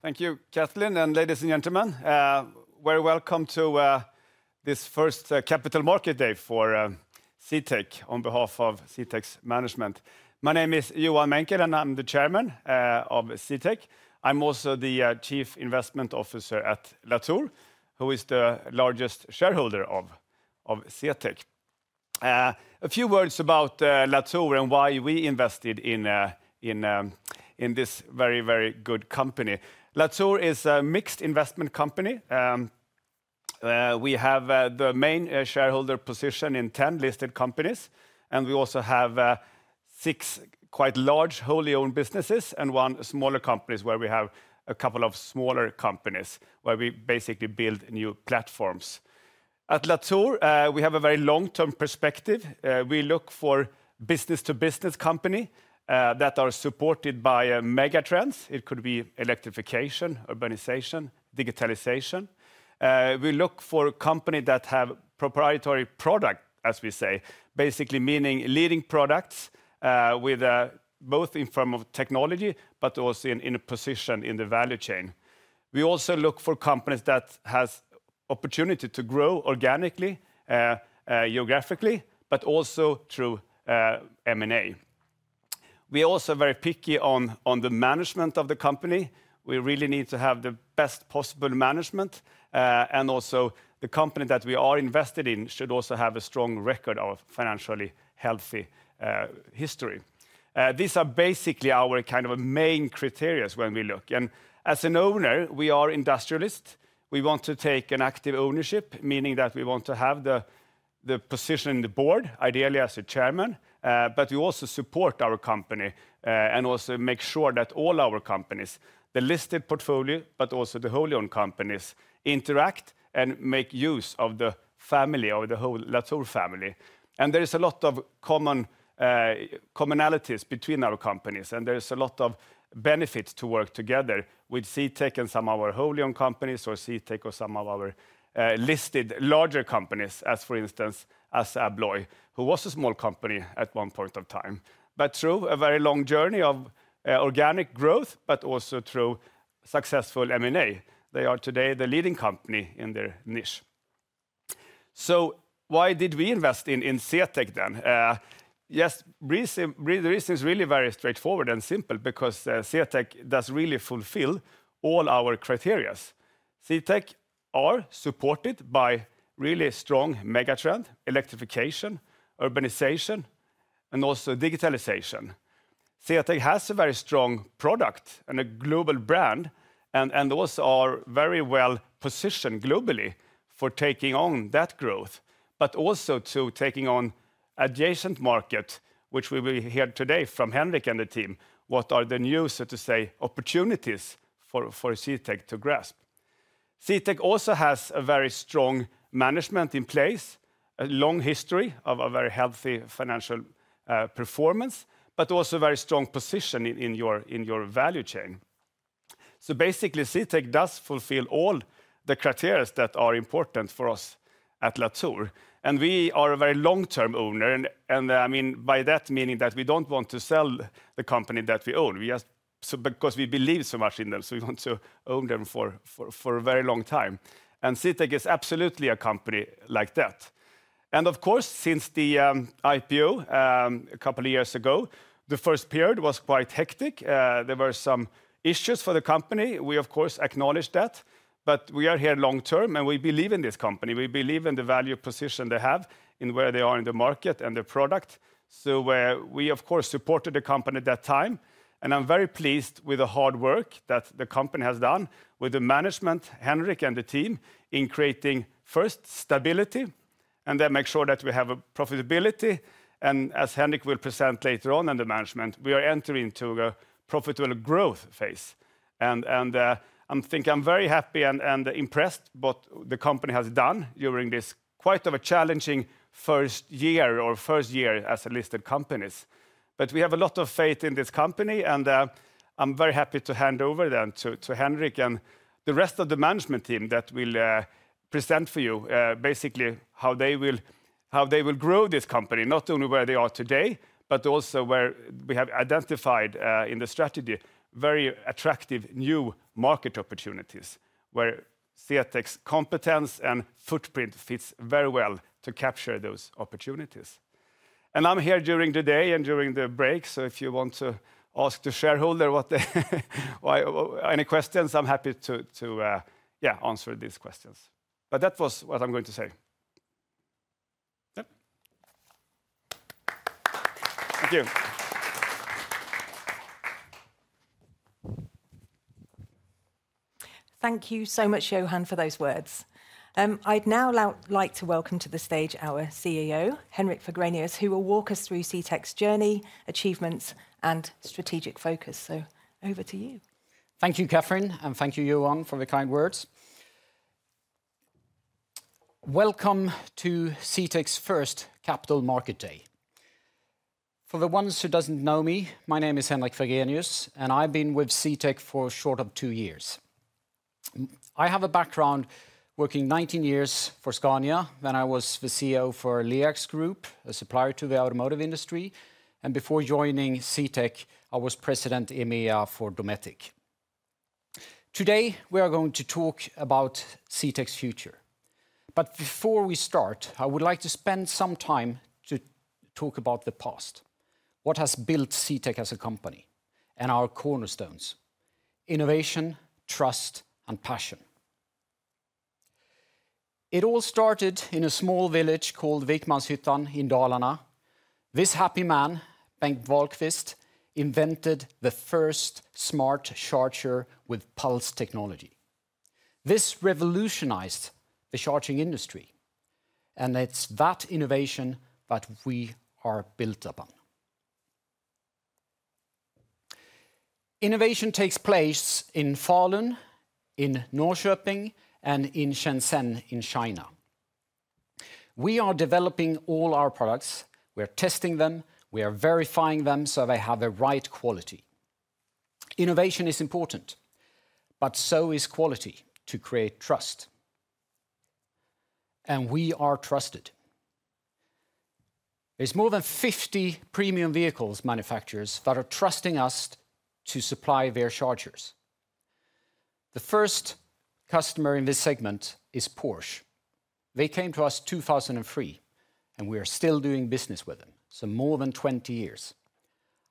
Thank you, Katharine. Ladies and gentlemen, very welcome to this first Capital Market Day for CTEK on behalf of CTEK's management. My name is Johan Menckel, and I'm the Chairman of CTEK. I'm also the Chief Investment Officer at Latour, who is the largest shareholder of CTEK. A few words about Latour and why we invested in this very, very good company. Latour is a mixed investment company. We have the main shareholder position in 10 listed companies, and we also have six quite large wholly owned businesses and one smaller company where we have a couple of smaller companies where we basically build new platforms. At Latour, we have a very long-term perspective. We look for business-to-business companies that are supported by megatrends. It could be electrification, urbanization, digitalization. We look for companies that have proprietary products, as we say, basically meaning leading products, both in terms of technology but also in a position in the value chain. We also look for companies that have the opportunity to grow organically, geographically, but also through M&A. We are also very picky on the management of the company. We really need to have the best possible management, and also the company that we are invested in should also have a strong record of financially healthy history. These are basically our kind of main criteria when we look. As an owner, we are industrialists. We want to take an active ownership, meaning that we want to have the position in the board, ideally as a chairman. We also support our company, and also make sure that all our companies, the listed portfolio, but also the wholly owned companies, interact and make use of the family of the whole Latour family. There is a lot of commonalities between our companies, and there is a lot of benefits to work together with CTEK and some of our wholly owned companies or CTEK or some of our listed larger companies, as for instance, as ABLOY, who was a small company at one point of time. Through a very long journey of organic growth, but also through successful M&A, they are today the leading company in their niche. Why did we invest in CTEK then? Yes, the reason is really very straightforward and simple because CTEK does really fulfill all our criteria. CTEK is supported by really strong megatrends, electrification, urbanization, and also digitalization. CTEK has a very strong product and a global brand, and also are very well positioned globally for taking on that growth, but also to taking on adjacent markets, which we will hear today from Henrik and the team, what are the new, so to say, opportunities for CTEK to grasp. CTEK also has a very strong management in place, a long history of a very healthy financial performance, but also a very strong position in your value chain. Basically, CTEK does fulfill all the criteria that are important for us at Latour. We are a very long-term owner. I mean by that meaning that we do not want to sell the company that we own. We just, because we believe so much in them, we want to own them for a very long time. CTEK is absolutely a company like that. Of course, since the IPO a couple of years ago, the first period was quite hectic. There were some issues for the company. We, of course, acknowledge that, but we are here long-term and we believe in this company. We believe in the value position they have and where they are in the market and the product. We, of course, supported the company at that time. I am very pleased with the hard work that the company has done with the management, Henrik and the team, in creating first stability and then making sure that we have profitability. As Henrik will present later on and the management, we are entering into a profitable growth phase. I think I'm very happy and impressed by what the company has done during this quite challenging first year as a listed company. We have a lot of faith in this company, and I'm very happy to hand over to Henrik and the rest of the management team that will present for you basically how they will grow this company, not only where they are today, but also where we have identified in the strategy very attractive new market opportunities where CTEK's competence and footprint fits very well to capture those opportunities. I'm here during the day and during the break. If you want to ask the shareholder any questions, I'm happy to answer these questions. That was what I'm going to say. Yep. Thank you. Thank you so much, Johan, for those words. I'd now like to welcome to the stage our CEO, Henrik Fagrenius, who will walk us through CTEK's journey, achievements, and strategic focus. Over to you. Thank you, Katharine, and thank you, Johan, for the kind words. Welcome to CTEK's first Capital Market Day. For the ones who don't know me, my name is Henrik Fagrenius, and I've been with CTEK for a short of two years. I have a background working 19 years for Scania when I was the CEO for LEAX Group, a supplier to the automotive industry. Before joining CTEK, I was President EMEA for Dometic. Today, we are going to talk about CTEK's future. Before we start, I would like to spend some time to talk about the past, what has built CTEK as a company and our cornerstones: innovation, trust, and passion. It all started in a small village called Vikmanshyttan in Dalarna. This happy man, Bengt Wahlqvist, invented the first smart charger with pulse technology. This revolutionized the charging industry, and it's that innovation that we are built upon. Innovation takes place in Falun, in Norrköping, and in Shenzhen in China. We are developing all our products. We are testing them. We are verifying them so they have the right quality. Innovation is important, but so is quality to create trust. We are trusted. There are more than 50 premium vehicle manufacturers that are trusting us to supply their chargers. The first customer in this segment is Porsche. They came to us in 2003, and we are still doing business with them. More than 20 years.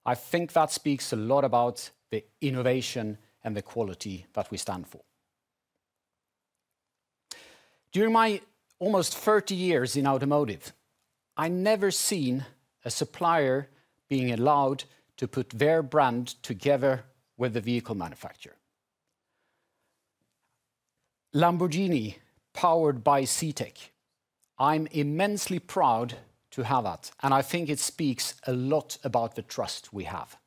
I think that speaks a lot about the innovation and the quality that we stand for. During my almost 30 years in automotive, I've never seen a supplier being allowed to put their brand together with a vehicle manufacturer. Lamborghini powered by CTEK. I'm immensely proud to have that, and I think it speaks a lot about the trust we have.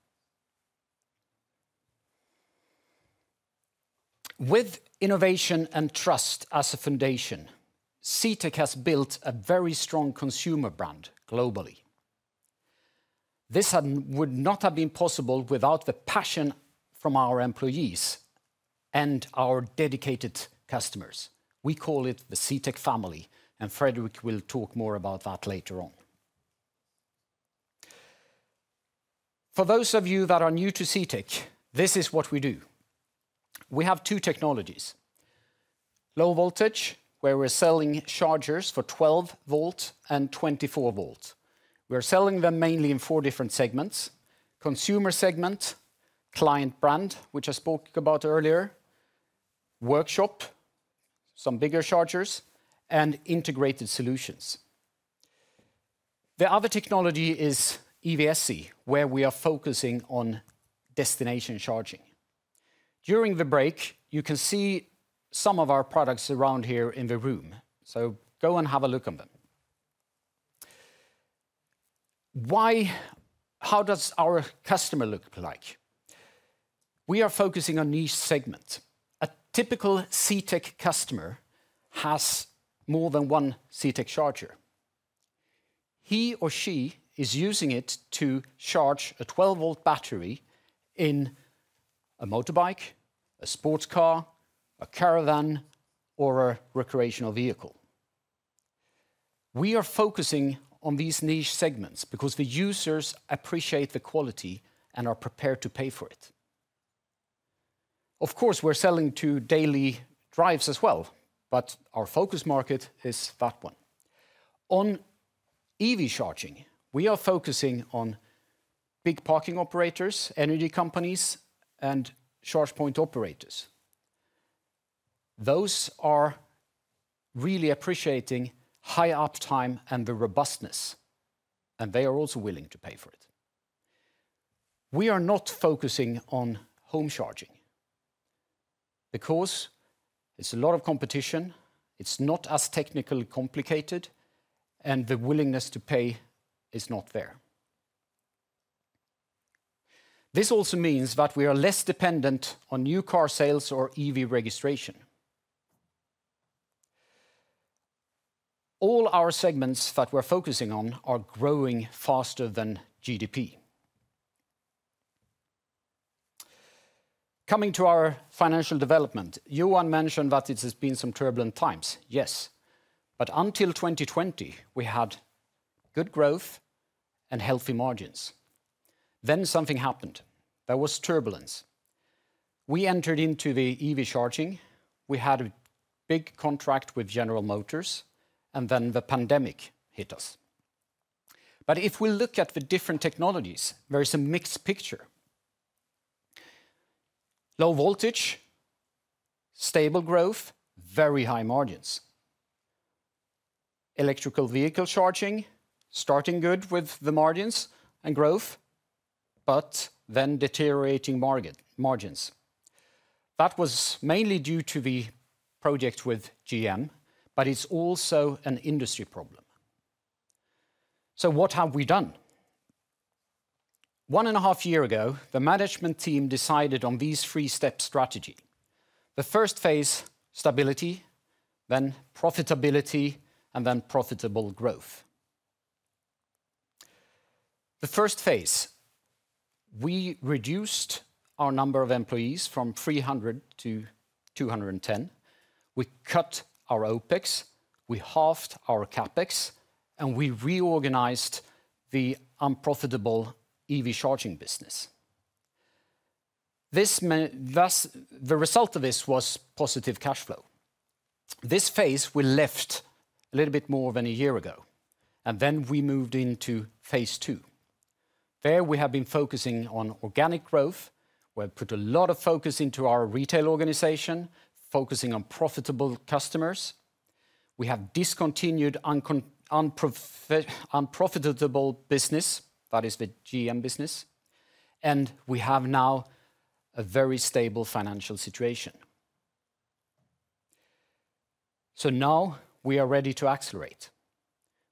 With innovation and trust as a foundation, CTEK has built a very strong consumer brand globally. This would not have been possible without the passion from our employees and our dedicated customers. We call it the CTEK family, and Frederik will talk more about that later on. For those of you that are new to CTEK, this is what we do. We have two technologies: low voltage, where we're selling chargers for 12 volt and 24 volt. We're selling them mainly in four different segments: consumer segment, client brand, which I spoke about earlier, workshop, some bigger chargers, and integrated solutions. The other technology is EVSE, where we are focusing on destination charging. During the break, you can see some of our products around here in the room. Go and have a look at them. Why, how does our customer look like? We are focusing on niche segments. A typical CTEK customer has more than one CTEK charger. He or she is using it to charge a 12 volt battery in a motorbike, a sports car, a caravan, or a recreational vehicle. We are focusing on these niche segments because the users appreciate the quality and are prepared to pay for it. Of course, we're selling to daily drives as well, but our focus market is that one. On EV charging, we are focusing on big parking operators, energy companies, and charge point operators. Those are really appreciating high uptime and the robustness, and they are also willing to pay for it. We are not focusing on home charging because it's a lot of competition. It's not as technically complicated, and the willingness to pay is not there. This also means that we are less dependent on new car sales or EV registration. All our segments that we're focusing on are growing faster than GDP. Coming to our financial development, Johan mentioned that it has been some turbulent times. Yes, but until 2020, we had good growth and healthy margins. Then something happened. There was turbulence. We entered into the EV charging. We had a big contract with General Motors, and then the pandemic hit us. If we look at the different technologies, there is a mixed picture. Low voltage, stable growth, very high margins. Electrical vehicle charging starting good with the margins and growth, but then deteriorating margins. That was mainly due to the project with GM, but it's also an industry problem. So what have we done? One and a half years ago, the management team decided on this three-step strategy. The first phase, stability, then profitability, and then profitable growth. The first phase, we reduced our number of employees from 300 to 210. We cut our OpEx, we halved our CapEx, and we reorganized the unprofitable EV charging business. This meant that the result of this was positive cash flow. This phase we left a little bit more than a year ago, and then we moved into phase II. There we have been focusing on organic growth. We have put a lot of focus into our retail organization, focusing on profitable customers. We have discontinued unprofitable business, that is the GM business, and we have now a very stable financial situation. We are ready to accelerate.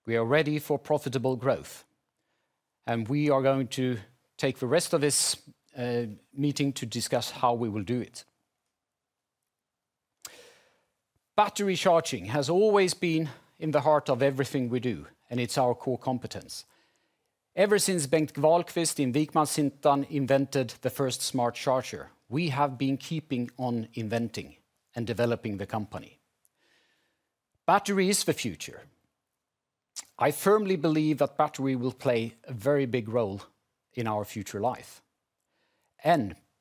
We are ready for profitable growth, and we are going to take the rest of this meeting to discuss how we will do it. Battery charging has always been in the heart of everything we do, and it's our core competence. Ever since Bengt Wahlqvist in Vikmanshyttan invented the first smart charger, we have been keeping on inventing and developing the company. Battery is the future. I firmly believe that battery will play a very big role in our future life.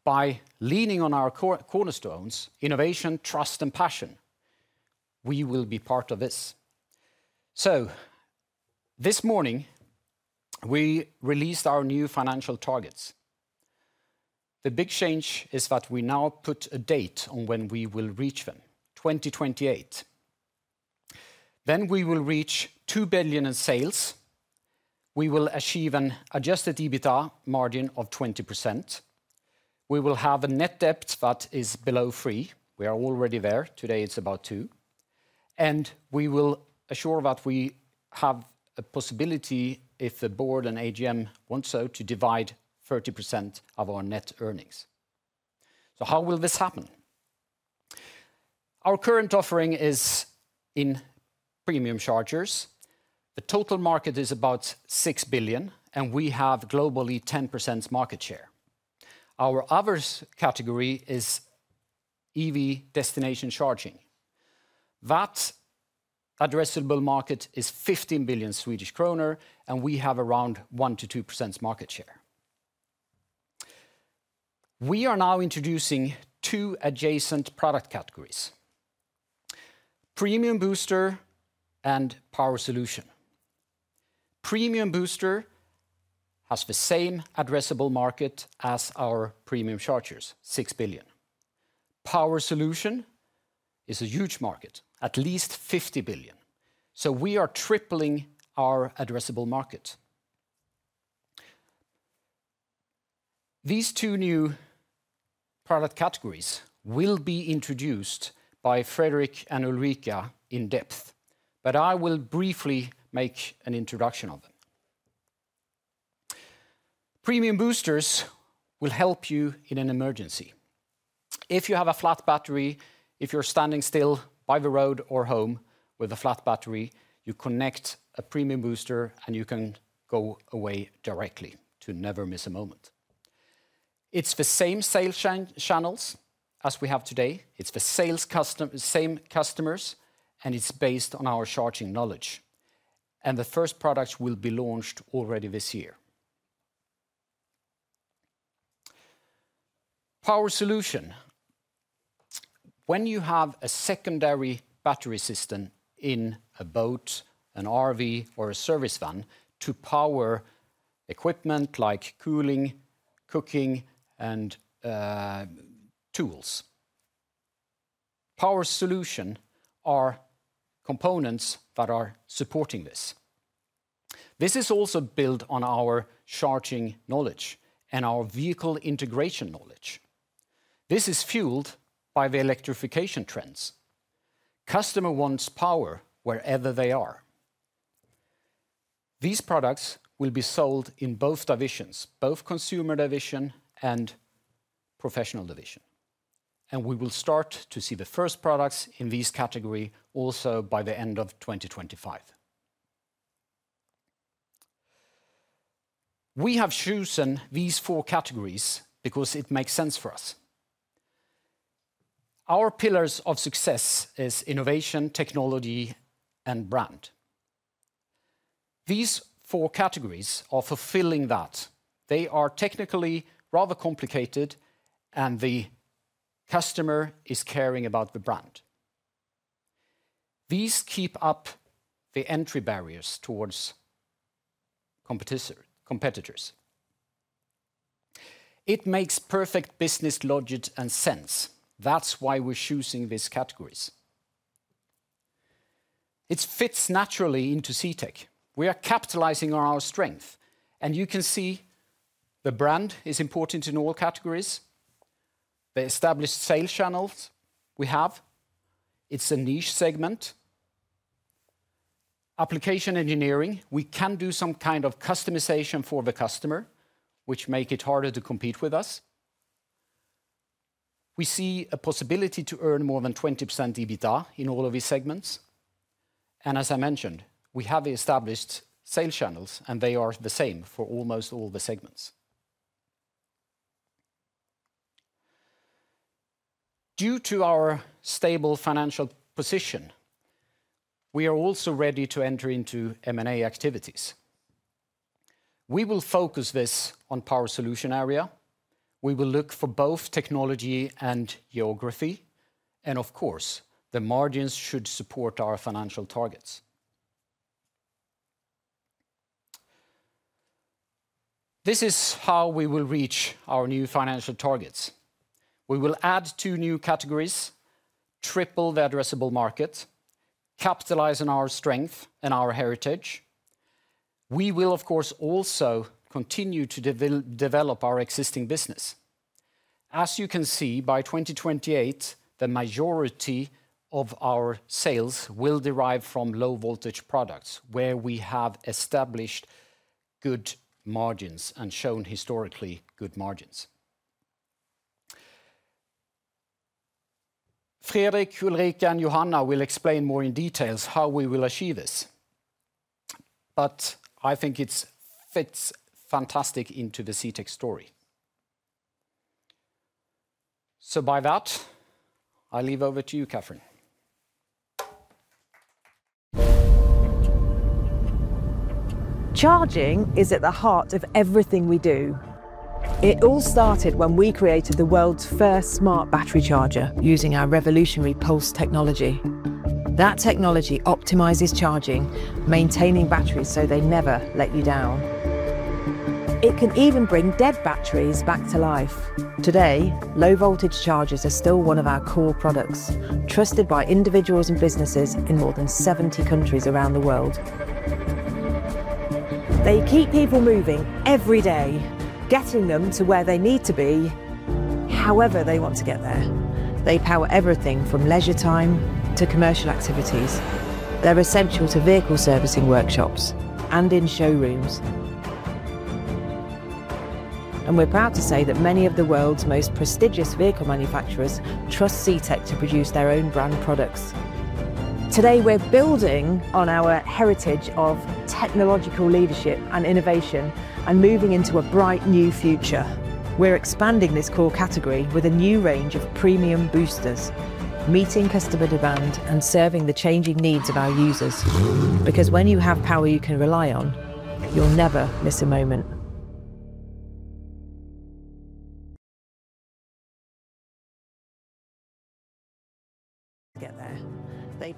By leaning on our cornerstones, innovation, trust, and passion, we will be part of this. This morning, we released our new financial targets. The big change is that we now put a date on when we will reach them: 2028. We will reach 2 billion in sales. We will achieve an adjusted EBITDA margin of 20%. We will have a net debt that is below three. We are already there. Today it's about two. We will assure that we have a possibility if the board and AGM want to divide 30% of our net earnings. How will this happen? Our current offering is in premium chargers. The total market is about 6 billion, and we have globally 10% market share. Our other category is EV destination charging. That addressable market is 15 billion Swedish kronor, and we have around 1%-2% market share. We are now introducing two adjacent product categories: Premium Booster and Power Solution. Premium Booster has the same addressable market as our premium chargers: 6 billion. Power Solution is a huge market, at least 50 billion. We are tripling our addressable market. These two new product categories will be introduced by Frederik and Ulrika in depth, but I will briefly make an introduction of them. Premium Boosters will help you in an emergency. If you have a flat battery, if you're standing still by the road or home with a flat battery, you connect a Premium Booster and you can go away directly to never miss a moment. It's the same sales channels as we have today. It's the same customers, and it's based on our charging knowledge. The first products will be launched already this year. Power Solution. When you have a secondary battery system in a boat, an RV, or a service van to power equipment like cooling, cooking, and tools, Power Solution are components that are supporting this. This is also built on our charging knowledge and our vehicle integration knowledge. This is fueled by the electrification trends. Customer wants power wherever they are. These products will be sold in both divisions, both consumer division and professional division. We will start to see the first products in these categories also by the end of 2025. We have chosen these four categories because it makes sense for us. Our pillars of success are innovation, technology, and brand. These four categories are fulfilling that. They are technically rather complicated, and the customer is caring about the brand. These keep up the entry barriers towards competitors. It makes perfect business logic and sense. That is why we are choosing these categories. It fits naturally into CTEK. We are capitalizing on our strength, and you can see the brand is important in all categories. The established sales channels we have, it is a niche segment. Application engineering, we can do some kind of customization for the customer, which makes it harder to compete with us. We see a possibility to earn more than 20% EBITDA in all of these segments. As I mentioned, we have established sales channels, and they are the same for almost all the segments. Due to our stable financial position, we are also ready to enter into M&A activities. We will focus this on the power solutions area. We will look for both technology and geography. Of course, the margins should support our financial targets. This is how we will reach our new financial targets. We will add two new categories, triple the addressable market, capitalize on our strength and our heritage. We will, of course, also continue to develop our existing business. As you can see, by 2028, the majority of our sales will derive from low voltage products where we have established good margins and shown historically good margins. Frederik, Ulrika, and Johanna will explain more in detail how we will achieve this. I think it fits fantastically into the CTEK story. By that, I leave it over to you, Katharine. Charging is at the heart of everything we do. It all started when we created the world's first smart battery charger using our revolutionary Pulse technology. That technology optimizes charging, maintaining batteries so they never let you down. It can even bring dead batteries back to life. Today, low voltage chargers are still one of our core products, trusted by individuals and businesses in more than 70 countries around the world. They keep people moving every day, getting them to where they need to be, however they want to get there. They power everything from leisure time to commercial activities. They're essential to vehicle servicing workshops and in showrooms. We're proud to say that many of the world's most prestigious vehicle manufacturers trust CTEK to produce their own brand products. Today, we're building on our heritage of technological leadership and innovation and moving into a bright new future. We're expanding this core category with a new range of Premium Boosters, meeting customer demand and serving the changing needs of our users. Because when you have power you can rely on, you'll never miss a moment.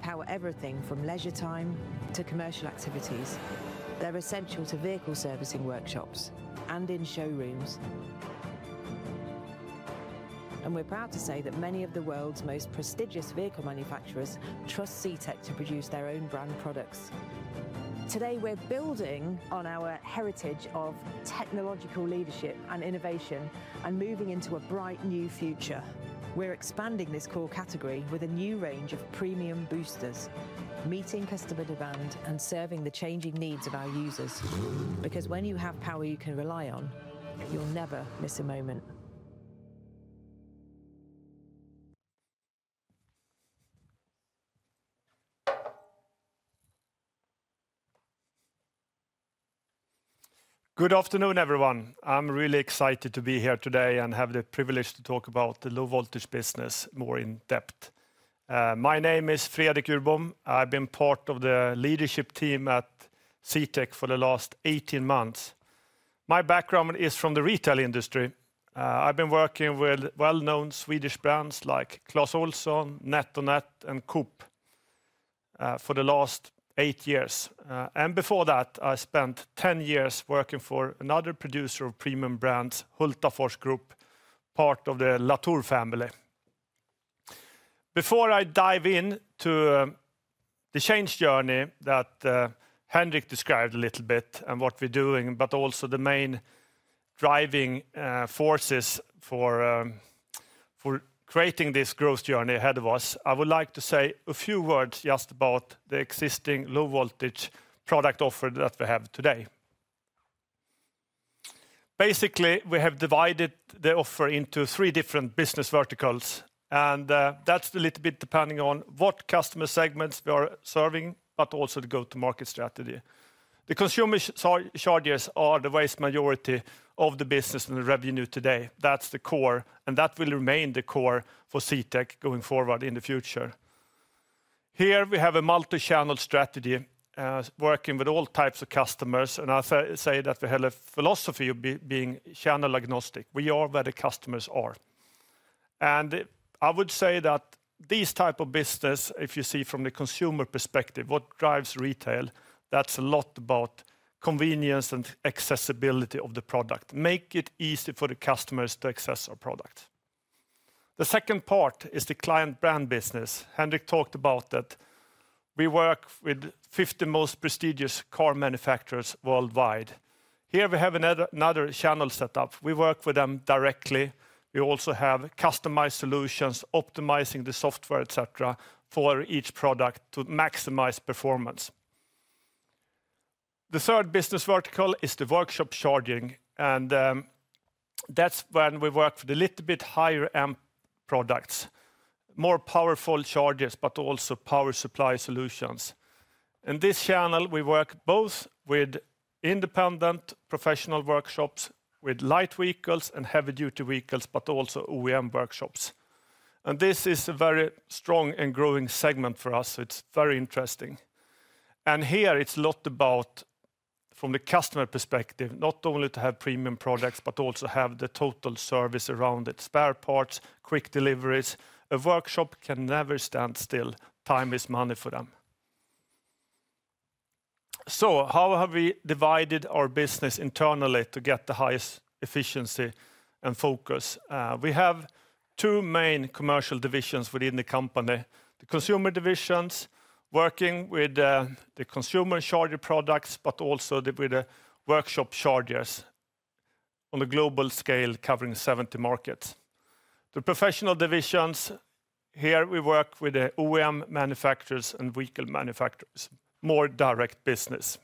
Get there. They power everything from leisure time to commercial activities. They're essential to vehicle servicing workshops and in showrooms. We're proud to say that many of the world's most prestigious vehicle manufacturers trust CTEK to produce their own brand products. Today, we're building on our heritage of technological leadership and innovation and moving into a bright new future. We're expanding this core category with a new range of Premium Boosters, meeting customer demand and serving the changing needs of our users. Because when you have power you can rely on, you'll never miss a moment. Good afternoon, everyone. I'm really excited to be here today and have the privilege to talk about the low voltage business more in depth. My name is Frederik Urbom. I've been part of the leadership team at CTEK for the last 18 months. My background is from the retail industry. I've been working with well-known Swedish brands like Clas Ohlson, Netonnet, and Coop for the last eight years. Before that, I spent 10 years working for another producer of premium brands, Hultafors Group, part of the Latour family. Before I dive into the change journey that Henrik described a little bit and what we're doing, but also the main driving forces for creating this growth journey ahead of us, I would like to say a few words just about the existing low voltage product offer that we have today. Basically, we have divided the offer into three different business verticals, and that's a little bit depending on what customer segments we are serving, but also the go-to-market strategy. The consumer chargers are the vast majority of the business and the revenue today. That's the core, and that will remain the core for CTEK going forward in the future. Here we have a multi-channel strategy, working with all types of customers, and I say that we have a philosophy of being channel agnostic. We are where the customers are. I would say that this type of business, if you see from the consumer perspective, what drives retail, that's a lot about convenience and accessibility of the product. Make it easy for the customers to access our products. The second part is the client brand business. Henrik talked about that. We work with 50 most prestigious car manufacturers worldwide. Here we have another channel setup. We work with them directly. We also have customized solutions, optimizing the software, etc., for each product to maximize performance. The third business vertical is the workshop charging, and that's when we work with a little bit higher-end products, more powerful chargers, but also power supply solutions. In this channel, we work both with independent professional workshops, with light vehicles and heavy-duty vehicles, but also OEM workshops. This is a very strong and growing segment for us, so it's very interesting. Here it is a lot about, from the customer perspective, not only to have premium products, but also have the total service around it: spare parts, quick deliveries. A workshop can never stand still. Time is money for them. How have we divided our business internally to get the highest efficiency and focus? We have two main commercial divisions within the company: the consumer divisions, working with the consumer charger products, but also with the workshop chargers on a global scale, covering 70 markets. The professional divisions, here we work with the OEM manufacturers and vehicle manufacturers, more direct business.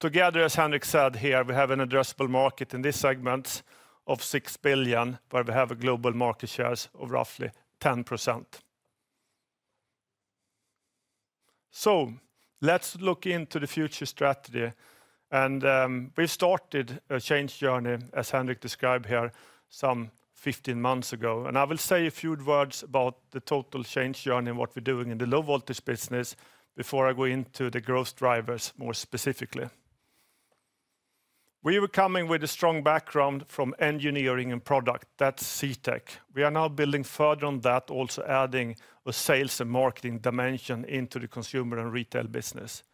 Together, as Henrik said here, we have an addressable market in this segment of 6 billion, where we have a global market share of roughly 10%. Let's look into the future strategy. We started a change journey, as Henrik described here, some 15 months ago. I will say a few words about the total change journey and what we're doing in the low voltage business before I go into the growth drivers more specifically. We were coming with a strong background from engineering and product. That's CTEK. We are now building further on that, also adding a sales and marketing dimension into the consumer and retail business.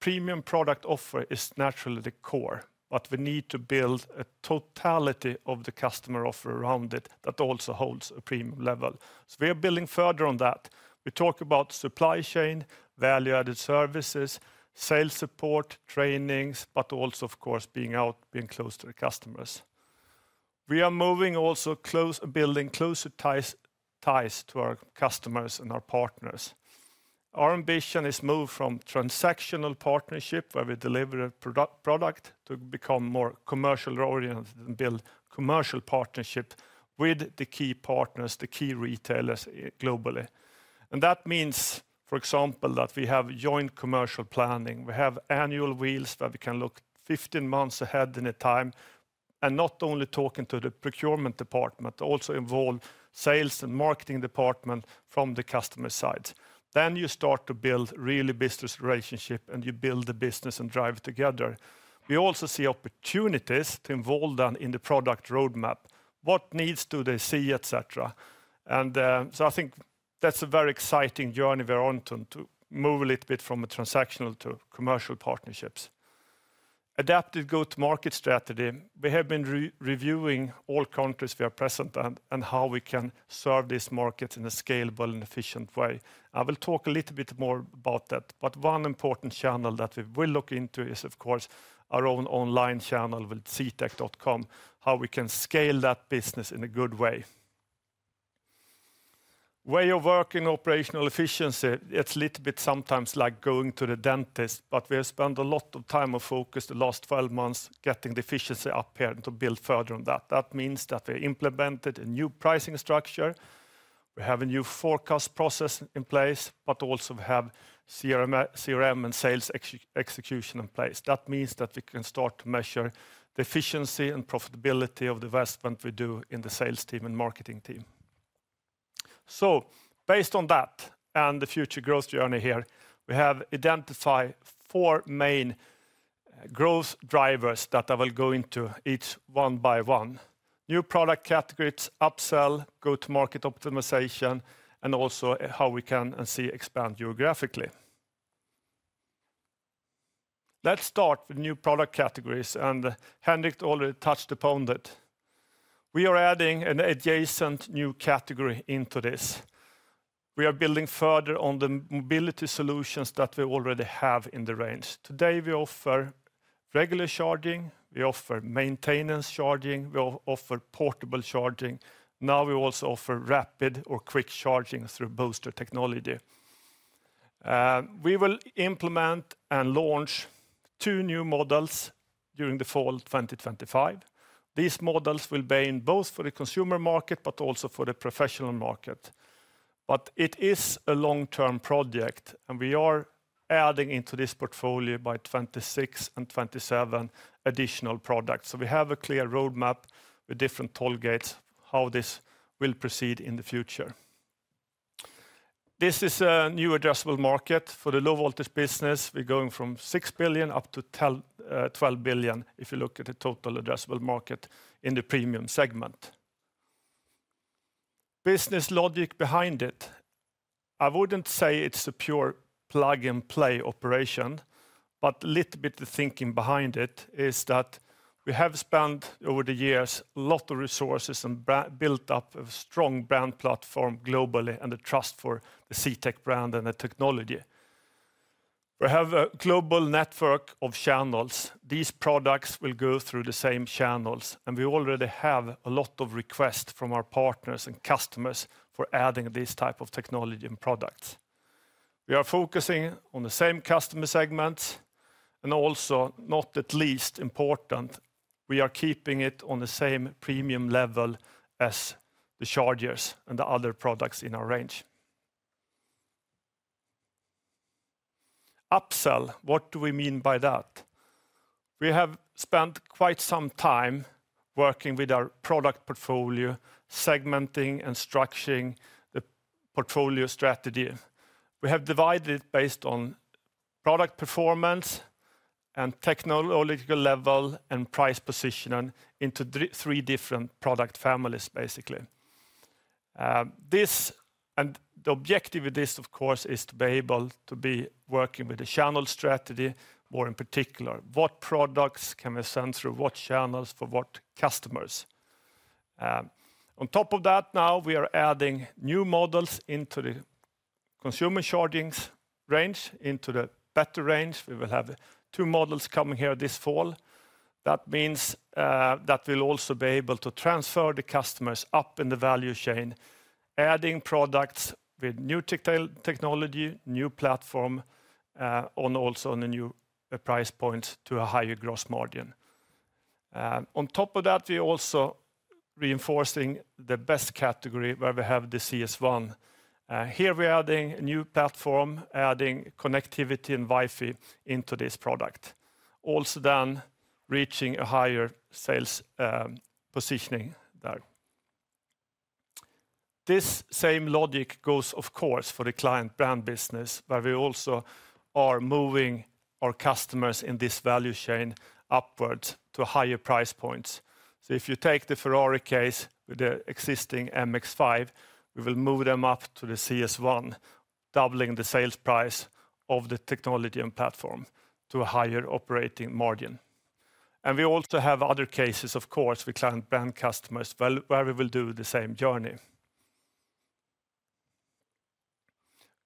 Premium product offer is naturally the core, but we need to build a totality of the customer offer around it that also holds a premium level. We are building further on that. We talk about supply chain, value-added services, sales support, trainings, but also, of course, being out, being close to the customers. We are moving also building closer ties to our customers and our partners. Our ambition is to move from transactional partnership, where we deliver a product, to become more commercial-oriented and build commercial partnerships with the key partners, the key retailers globally. That means, for example, that we have joint commercial planning. We have annual wheels where we can look 15 months ahead in a time and not only talking to the procurement department, but also involve sales and marketing department from the customer side. You start to build really business relationships and you build the business and drive it together. We also see opportunities to involve them in the product roadmap. What needs do they see, etc.? I think that's a very exciting journey we're on to move a little bit from a transactional to commercial partnerships. Adaptive go-to-market strategy. We have been reviewing all countries we are present in and how we can serve these markets in a scalable and efficient way. I will talk a little bit more about that. One important channel that we will look into is, of course, our own online channel with ctek.com, how we can scale that business in a good way. Way of working operational efficiency, it's a little bit sometimes like going to the dentist, but we have spent a lot of time and focus the last 12 months getting the efficiency up here and to build further on that. That means that we implemented a new pricing structure. We have a new forecast process in place, but also we have CRM and sales execution in place. That means that we can start to measure the efficiency and profitability of the investment we do in the sales team and marketing team. Based on that and the future growth journey here, we have identified four main growth drivers that I will go into each one by one. New product categories, upsell, go-to-market optimization, and also how we can and see expand geographically. Let's start with new product categories, and Henrik already touched upon that. We are adding an adjacent new category into this. We are building further on the mobility solutions that we already have in the range. Today, we offer regular charging. We offer maintenance charging. We offer portable charging. Now we also offer rapid or quick charging through booster technology. We will implement and launch two new models during the fall 2025. These models will be in both for the consumer market, but also for the professional market. It is a long-term project, and we are adding into this portfolio by 2026 and 2027 additional products. We have a clear roadmap with different toll gates, how this will proceed in the future. This is a new addressable market for the low voltage business. We're going from 6 billion up to 12 billion if you look at the total addressable market in the premium segment. Business logic behind it. I wouldn't say it's a pure plug and play operation, but a little bit of thinking behind it is that we have spent over the years a lot of resources and built up a strong brand platform globally and a trust for the CTEK brand and the technology. We have a global network of channels. These products will go through the same channels, and we already have a lot of requests from our partners and customers for adding this type of technology and products. We are focusing on the same customer segments, and also not the least important, we are keeping it on the same premium level as the chargers and the other products in our range. Upsell, what do we mean by that? We have spent quite some time working with our product portfolio, segmenting and structuring the portfolio strategy. We have divided it based on product performance and technological level and price positioning into three different product families, basically. The objective of this, of course, is to be able to be working with a channel strategy more in particular. What products can we send through what channels for what customers? On top of that, now we are adding new models into the consumer charging range, into the better range. We will have two models coming here this fall. That means that we'll also be able to transfer the customers up in the value chain, adding products with new technology, new platform, and also on a new price point to a higher gross margin. On top of that, we are also reinforcing the best category where we have the CS1. Here we are adding a new platform, adding connectivity and Wi-Fi into this product, also then reaching a higher sales positioning there. This same logic goes, of course, for the client brand business, where we also are moving our customers in this value chain upwards to higher price points. If you take the Ferrari case with the existing MXS 5, we will move them up to the CS1, doubling the sales price of the technology and platform to a higher operating margin. We also have other cases, of course, with client brand customers where we will do the same journey.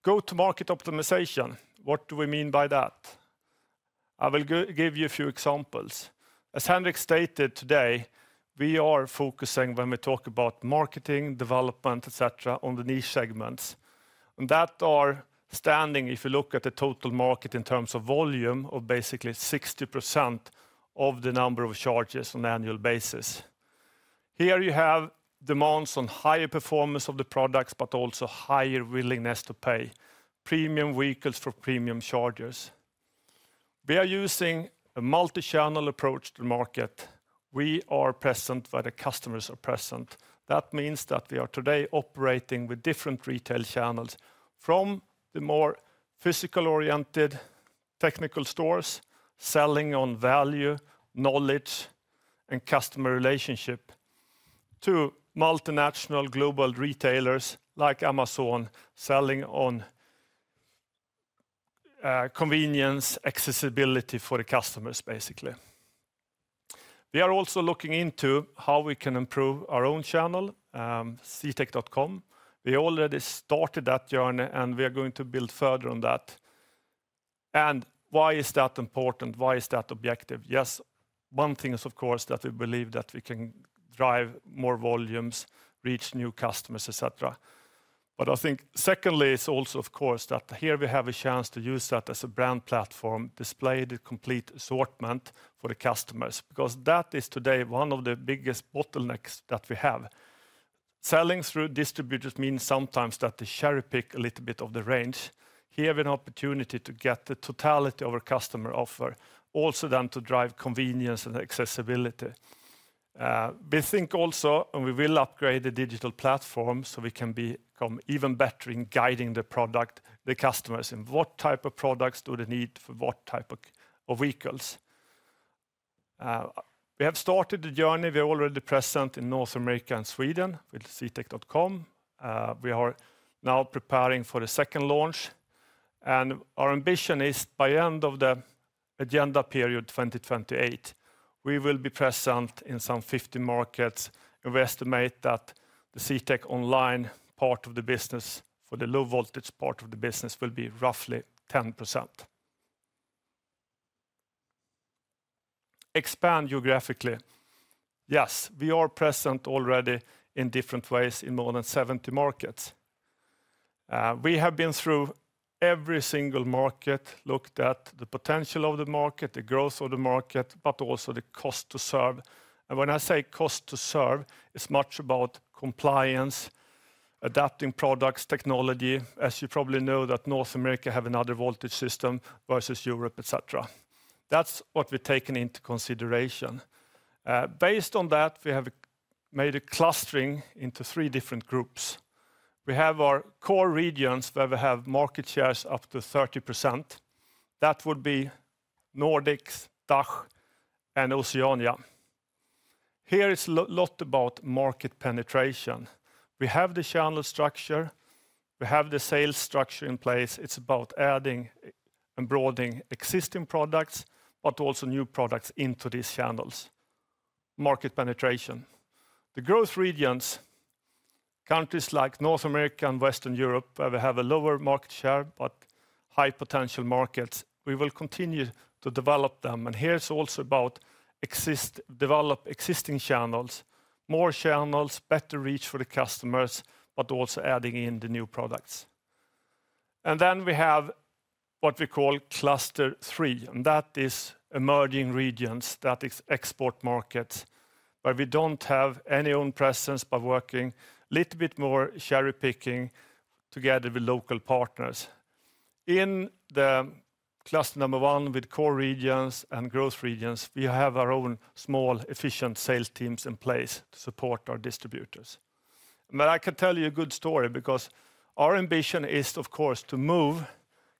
Go-to-market optimization. What do we mean by that? I will give you a few examples. As Henrik stated today, we are focusing when we talk about marketing, development, etc., on the niche segments. That is standing, if you look at the total market in terms of volume, at basically 60% of the number of chargers on an annual basis. Here you have demands on higher performance of the products, but also higher willingness to pay premium vehicles for premium chargers. We are using a multi-channel approach to the market. We are present where the customers are present. That means that we are today operating with different retail channels from the more physical-oriented technical stores selling on value, knowledge, and customer relationship to multinational global retailers like Amazon selling on convenience, accessibility for the customers, basically. We are also looking into how we can improve our own channel, ctek.com. We already started that journey, and we are going to build further on that. Why is that important? Why is that objective? Yes, one thing is, of course, that we believe that we can drive more volumes, reach new customers, etc. I think secondly is also, of course, that here we have a chance to use that as a brand platform, display the complete assortment for the customers, because that is today one of the biggest bottlenecks that we have. Selling through distributors means sometimes that they cherry-pick a little bit of the range. Here we have an opportunity to get the totality of our customer offer, also then to drive convenience and accessibility. We think also, and we will upgrade the digital platform so we can become even better in guiding the product, the customers, in what type of products do they need for what type of vehicles. We have started the journey. We are already present in North America and Sweden with ctek.com. We are now preparing for the second launch. Our ambition is by the end of the agenda period 2028, we will be present in some 50 markets. We estimate that the CTEK online part of the business for the low voltage part of the business will be roughly 10%. Expand geographically. Yes, we are present already in different ways in more than 70 markets. We have been through every single market, looked at the potential of the market, the growth of the market, but also the cost to serve. When I say cost to serve, it's much about compliance, adapting products, technology. As you probably know, North America has another voltage system versus Europe, etc. That's what we've taken into consideration. Based on that, we have made a clustering into three different groups. We have our core regions where we have market shares up to 30%. That would be Nordics, DACH, and Oceania. Here it's a lot about market penetration. We have the channel structure. We have the sales structure in place. It's about adding and broadening existing products, but also new products into these channels. Market penetration. The growth regions, countries like North America and Western Europe, where we have a lower market share but high potential markets, we will continue to develop them. Here it's also about developing existing channels, more channels, better reach for the customers, but also adding in the new products. We have what we call cluster three, and that is emerging regions, that is export markets, where we don't have any own presence by working a little bit more cherry-picking together with local partners. In the cluster number one with core regions and growth regions, we have our own small efficient sales teams in place to support our distributors. I can tell you a good story because our ambition is, of course, to move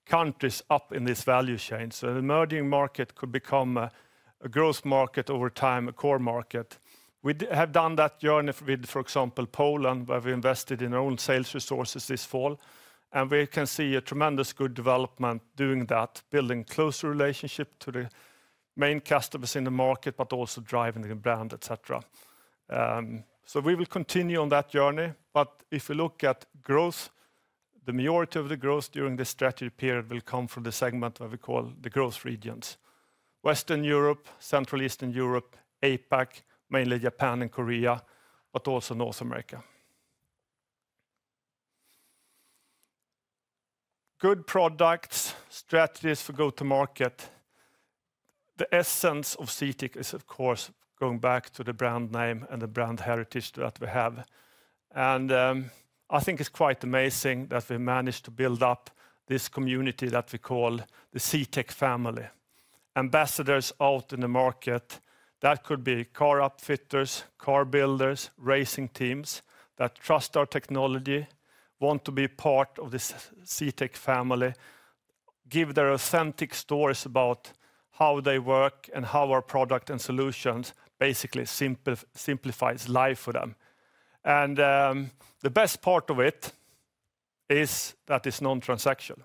countries up in this value chain. An emerging market could become a growth market over time, a core market. We have done that journey with, for example, Poland, where we invested in our own sales resources this fall. We can see a tremendous good development doing that, building a closer relationship to the main customers in the market, but also driving the brand, etc. We will continue on that journey. If you look at growth, the majority of the growth during this strategy period will come from the segment where we call the growth regions: Western Europe, Central Eastern Europe, APAC, mainly Japan and Korea, but also North America. Good products, strategies for go-to-market. The essence of CTEK is, of course, going back to the brand name and the brand heritage that we have. I think it's quite amazing that we managed to build up this community that we call the CTEK family. Ambassadors out in the market, that could be car upfitters, car builders, racing teams that trust our technology, want to be part of this CTEK family, give their authentic stories about how they work and how our product and solutions basically simplify life for them. The best part of it is that it's non-transactional.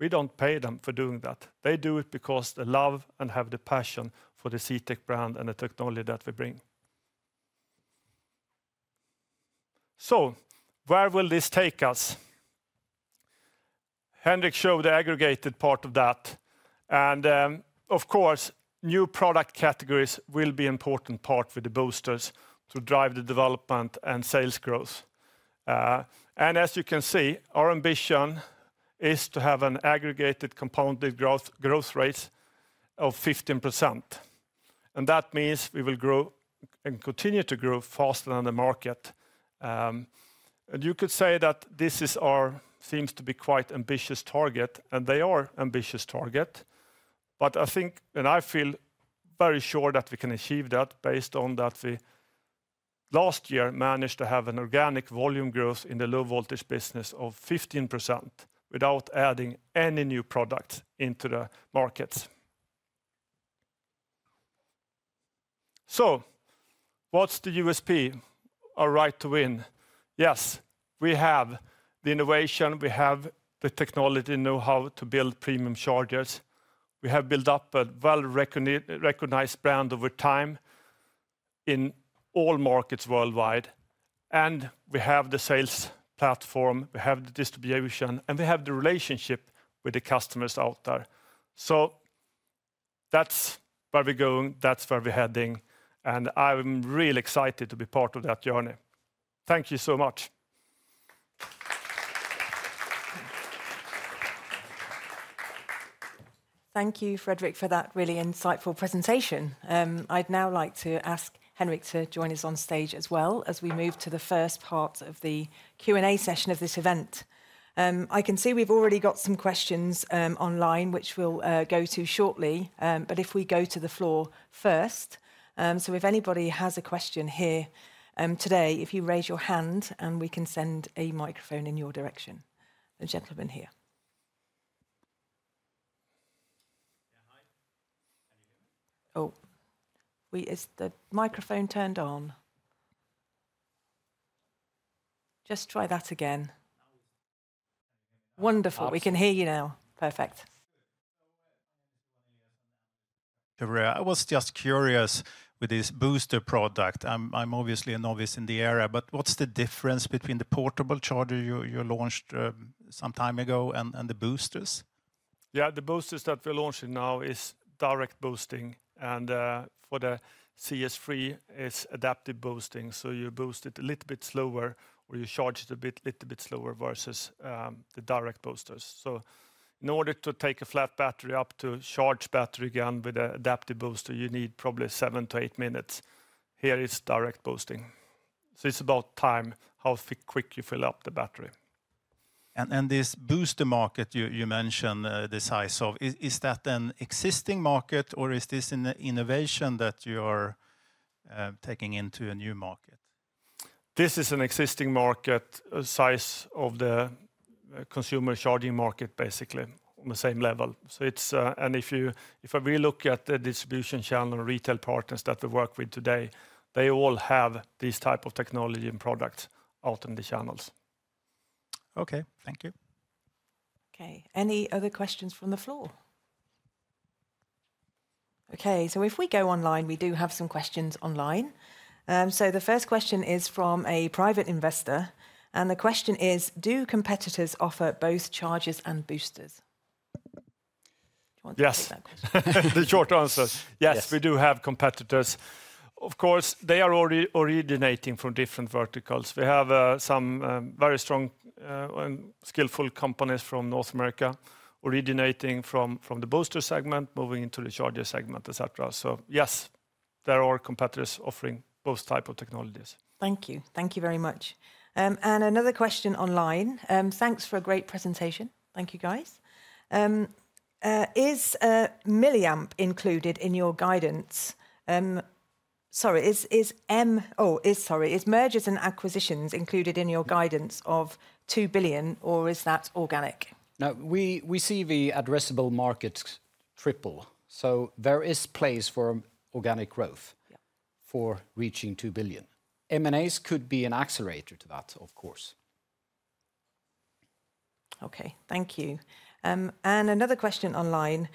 We don't pay them for doing that. They do it because they love and have the passion for the CTEK brand and the technology that we bring. Where will this take us? Henrik showed the aggregated part of that. Of course, new product categories will be an important part with the boosters to drive the development and sales growth. As you can see, our ambition is to have an aggregated compounded growth rate of 15%. That means we will grow and continue to grow faster than the market. You could say that this seems to be quite an ambitious target, and they are an ambitious target. I think, and I feel very sure that we can achieve that based on that we last year managed to have an organic volume growth in the low voltage business of 15% without adding any new products into the markets. What's the USP? Our right to win. Yes, we have the innovation. We have the technology know-how to build premium chargers. We have built up a well-recognized brand over time in all markets worldwide. We have the sales platform. We have the distribution, and we have the relationship with the customers out there. That's where we're going. That's where we're heading. I'm really excited to be part of that journey. Thank you so much. Thank you, Frederik, for that really insightful presentation. I'd now like to ask Henrik to join us on stage as well as we move to the first part of the Q&A session of this event. I can see we've already got some questions online, which we'll go to shortly. If we go to the floor first, if anybody has a question here today, if you raise your hand we can send a microphone in your direction. The gentleman here. Yeah, hi. Can you hear me? Oh, is the microphone turned on? Just try that again. Wonderful. We can hear you now. Perfect. I was just curious with this booster product. I'm obviously a novice in the area, but what's the difference between the portable charger you launched some time ago and the boosters? Yeah, the boosters that we're launching now is direct boosting. And for the CS3, it's adaptive boosting. You boost it a little bit slower or you charge it a little bit slower versus the direct boosters. In order to take a flat battery up to charged battery again with an adaptive booster, you need probably seven to eight minutes. Here is direct boosting. It is about time, how quick you fill up the battery. This booster market you mentioned, the size of, is that an existing market or is this an innovation that you are taking into a new market? This is an existing market, a size of the consumer charging market, basically on the same level. If I really look at the distribution channel and retail partners that we work with today, they all have these types of technology and products out in the channels. Okay, thank you. Okay, any other questions from the floor? Okay, if we go online, we do have some questions online. The first question is from a private investor. The question is, do competitors offer both chargers and boosters? Yes, the short answer, yes, we do have competitors. Of course, they are already originating from different verticals. We have some very strong and skillful companies from North America originating from the booster segment, moving into the charger segment, etc. Yes, there are competitors offering both types of technologies. Thank you. Thank you very much. Another question online. Thanks for a great presentation. Thank you, guys. Is milliamp included in your guidance? Sorry, is M, oh, is, sorry, is mergers and acquisitions included in your guidance of 2 billion, or is that organic? No, we see the addressable markets triple. There is place for organic growth for reaching 2 billion. M&As could be an accelerator to that, of course. Okay, thank you. Another question online.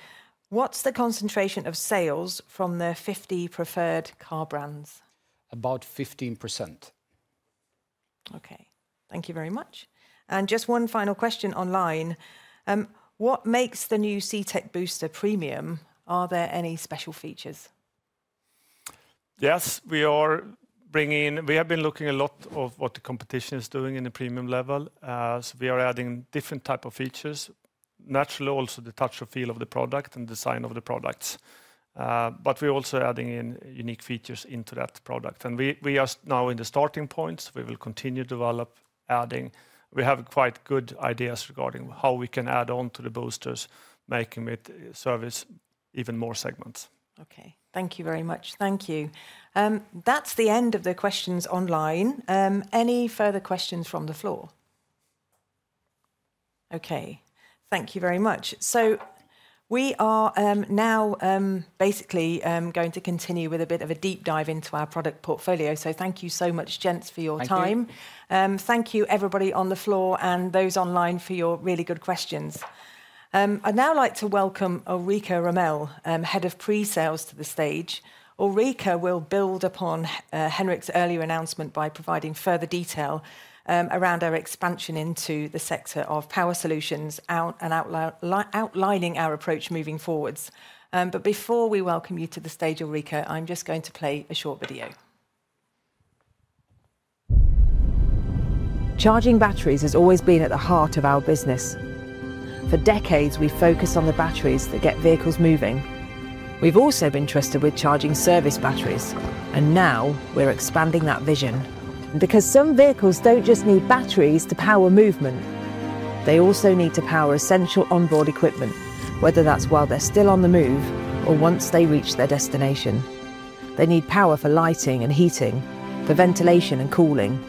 What's the concentration of sales from the 50 preferred car brands? About 15%. Okay, thank you very much. Just one final question online. What makes the new CTEK booster premium? Are there any special features? Yes, we are bringing in, we have been looking a lot at what the competition is doing in the premium level. We are adding different types of features, naturally also the touch and feel of the product and design of the products. We are also adding in unique features into that product. We are now in the starting points. We will continue to develop, adding. We have quite good ideas regarding how we can add on to the boosters, making it service even more segments. Okay, thank you very much. Thank you. That's the end of the questions online. Any further questions from the floor? Okay, thank you very much. We are now basically going to continue with a bit of a deep dive into our product portfolio. Thank you so much, gents, for your time. Thank you, everybody on the floor and those online for your really good questions. I'd now like to welcome Ulrika Romell, Head of Pre-Sales, to the stage. Ulrika will build upon Henrik's earlier announcement by providing further detail around our expansion into the sector of power solutions, and outlining our approach moving forwards. Before we welcome you to the stage, Ulrika, I'm just going to play a short video. Charging batteries has always been at the heart of our business. For decades, we've focused on the batteries that get vehicles moving. We've also been trusted with charging service batteries, and now we're expanding that vision. Because some vehicles don't just need batteries to power movement, they also need to power essential onboard equipment, whether that's while they're still on the move or once they reach their destination. They need power for lighting and heating, for ventilation and cooling.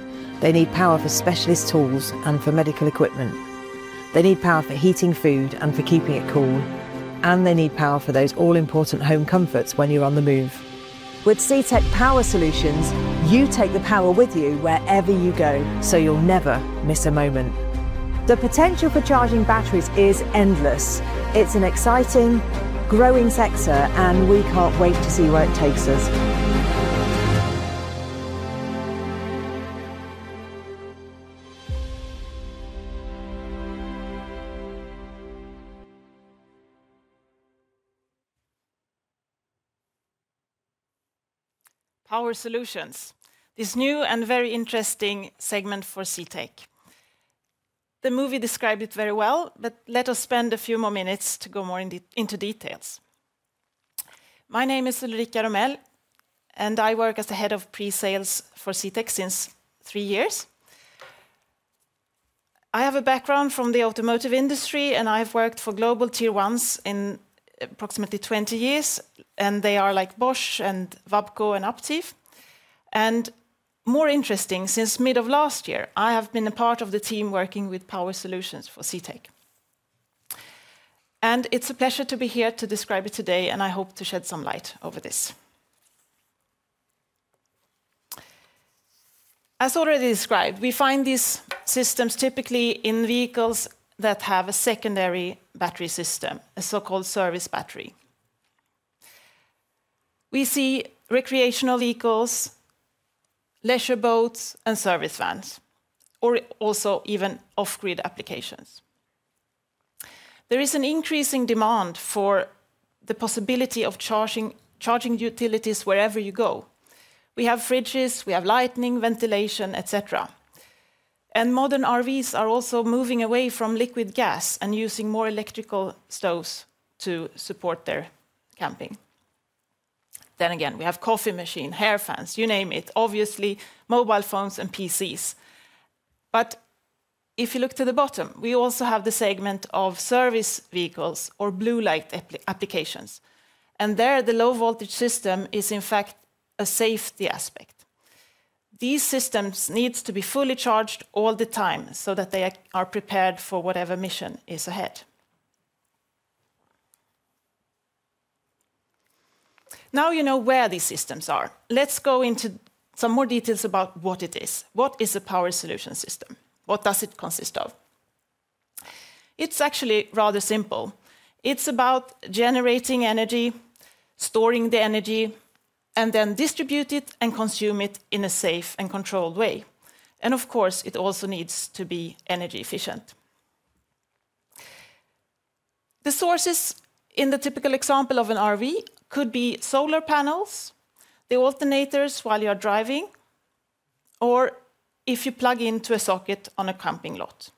They need power for specialist tools and for medical equipment. They need power for heating food and for keeping it cool. They need power for those all-important home comforts when you're on the move. With CTEK Power Solutions, you take the power with you wherever you go, so you'll never miss a moment. The potential for charging batteries is endless. It's an exciting, growing sector, and we can't wait to see where it takes us. Power Solutions, this new and very interesting segment for CTEK. The movie described it very well, but let us spend a few more minutes to go more into details. My name is Ulrika Romell, and I work as the Head of Pre-Sales for CTEK since three years. I have a background from the automotive industry, and I've worked for global tier ones in approximately 20 years, and they are like Bosch and Wabco and Autoliv. More interesting, since mid of last year, I have been a part of the team working with power solutions for CTEK. It is a pleasure to be here to describe it today, and I hope to shed some light over this. As already described, we find these systems typically in vehicles that have a secondary battery system, a so-called service battery. We see recreational vehicles, leisure boats, and service vans, or also even off-grid applications. There is an increasing demand for the possibility of charging utilities wherever you go. We have fridges, we have lighting, ventilation, etc. Modern RVs are also moving away from liquid gas and using more electrical stoves to support their camping. We have coffee machines, hair fans, you name it, obviously mobile phones and PCs. If you look to the bottom, we also have the segment of service vehicles or blue light applications. There, the low voltage system is in fact a safety aspect. These systems need to be fully charged all the time so that they are prepared for whatever mission is ahead. Now you know where these systems are. Let's go into some more details about what it is. What is a power solution system? What does it consist of? It's actually rather simple. It's about generating energy, storing the energy, and then distribute it and consume it in a safe and controlled way. Of course, it also needs to be energy efficient. The sources in the typical example of an RV could be solar panels, the alternators while you're driving, or if you plug into a socket on a camping lot.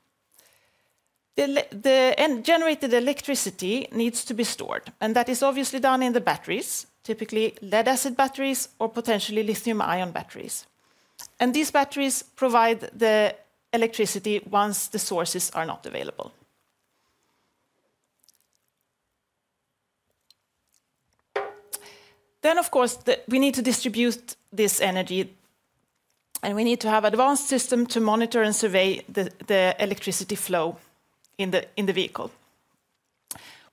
The generated electricity needs to be stored, and that is obviously done in the batteries, typically lead-acid batteries or potentially lithium-ion batteries. These batteries provide the electricity once the sources are not available. Of course, we need to distribute this energy, and we need to have an advanced system to monitor and survey the electricity flow in the vehicle.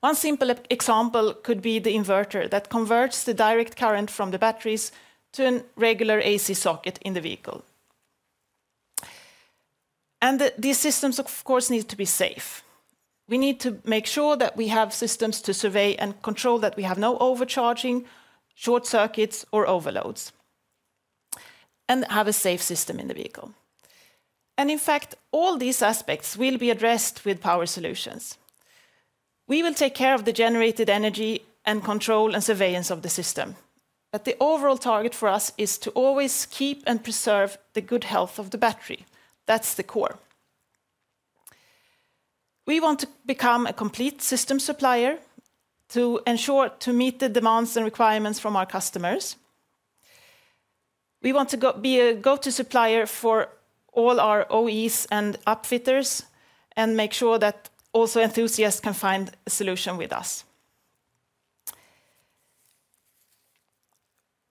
One simple example could be the inverter that converts the direct current from the batteries to a regular AC socket in the vehicle. These systems, of course, need to be safe. We need to make sure that we have systems to survey and control, that we have no overcharging, short circuits, or overloads, and have a safe system in the vehicle. In fact, all these aspects will be addressed with power solutions. We will take care of the generated energy and control and surveillance of the system. The overall target for us is to always keep and preserve the good health of the battery. That is the core. We want to become a complete system supplier to ensure to meet the demands and requirements from our customers. We want to be a go-to supplier for all our OEs and upfitters and make sure that also enthusiasts can find a solution with us.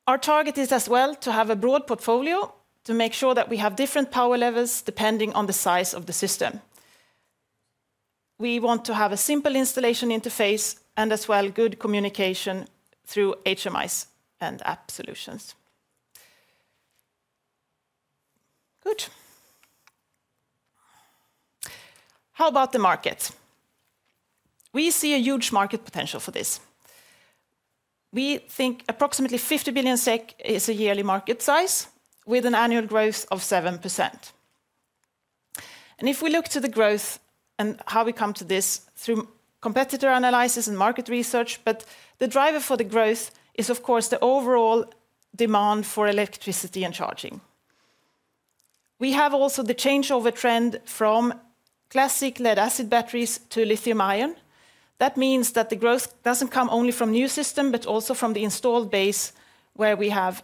Our target is as well to have a broad portfolio to make sure that we have different power levels depending on the size of the system. We want to have a simple installation interface and as well good communication through HMIs and app solutions. Good. How about the market? We see a huge market potential for this. We think approximately 50 billion SEK is a yearly market size with an annual growth of 7%. If we look to the growth and how we come to this through competitor analysis and market research, the driver for the growth is, of course, the overall demand for electricity and charging. We have also the changeover trend from classic lead-acid batteries to lithium-ion. That means that the growth does not come only from new systems, but also from the installed base where we have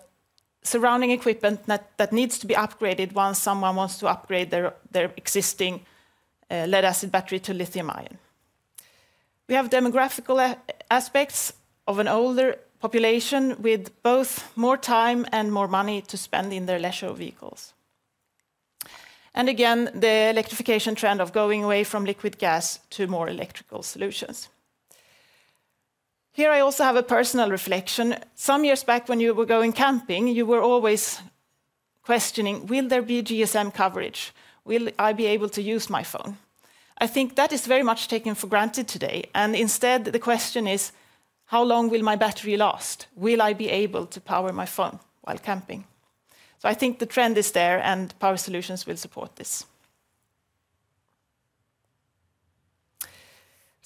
surrounding equipment that needs to be upgraded once someone wants to upgrade their existing lead-acid battery to lithium-ion. We have demographical aspects of an older population with both more time and more money to spend in their leisure vehicles. Again, the electrification trend of going away from liquid gas to more electrical solutions. Here I also have a personal reflection. Some years back, when you were going camping, you were always questioning, will there be GSM coverage? Will I be able to use my phone? I think that is very much taken for granted today. Instead, the question is, how long will my battery last? Will I be able to power my phone while camping? I think the trend is there and power solutions will support this.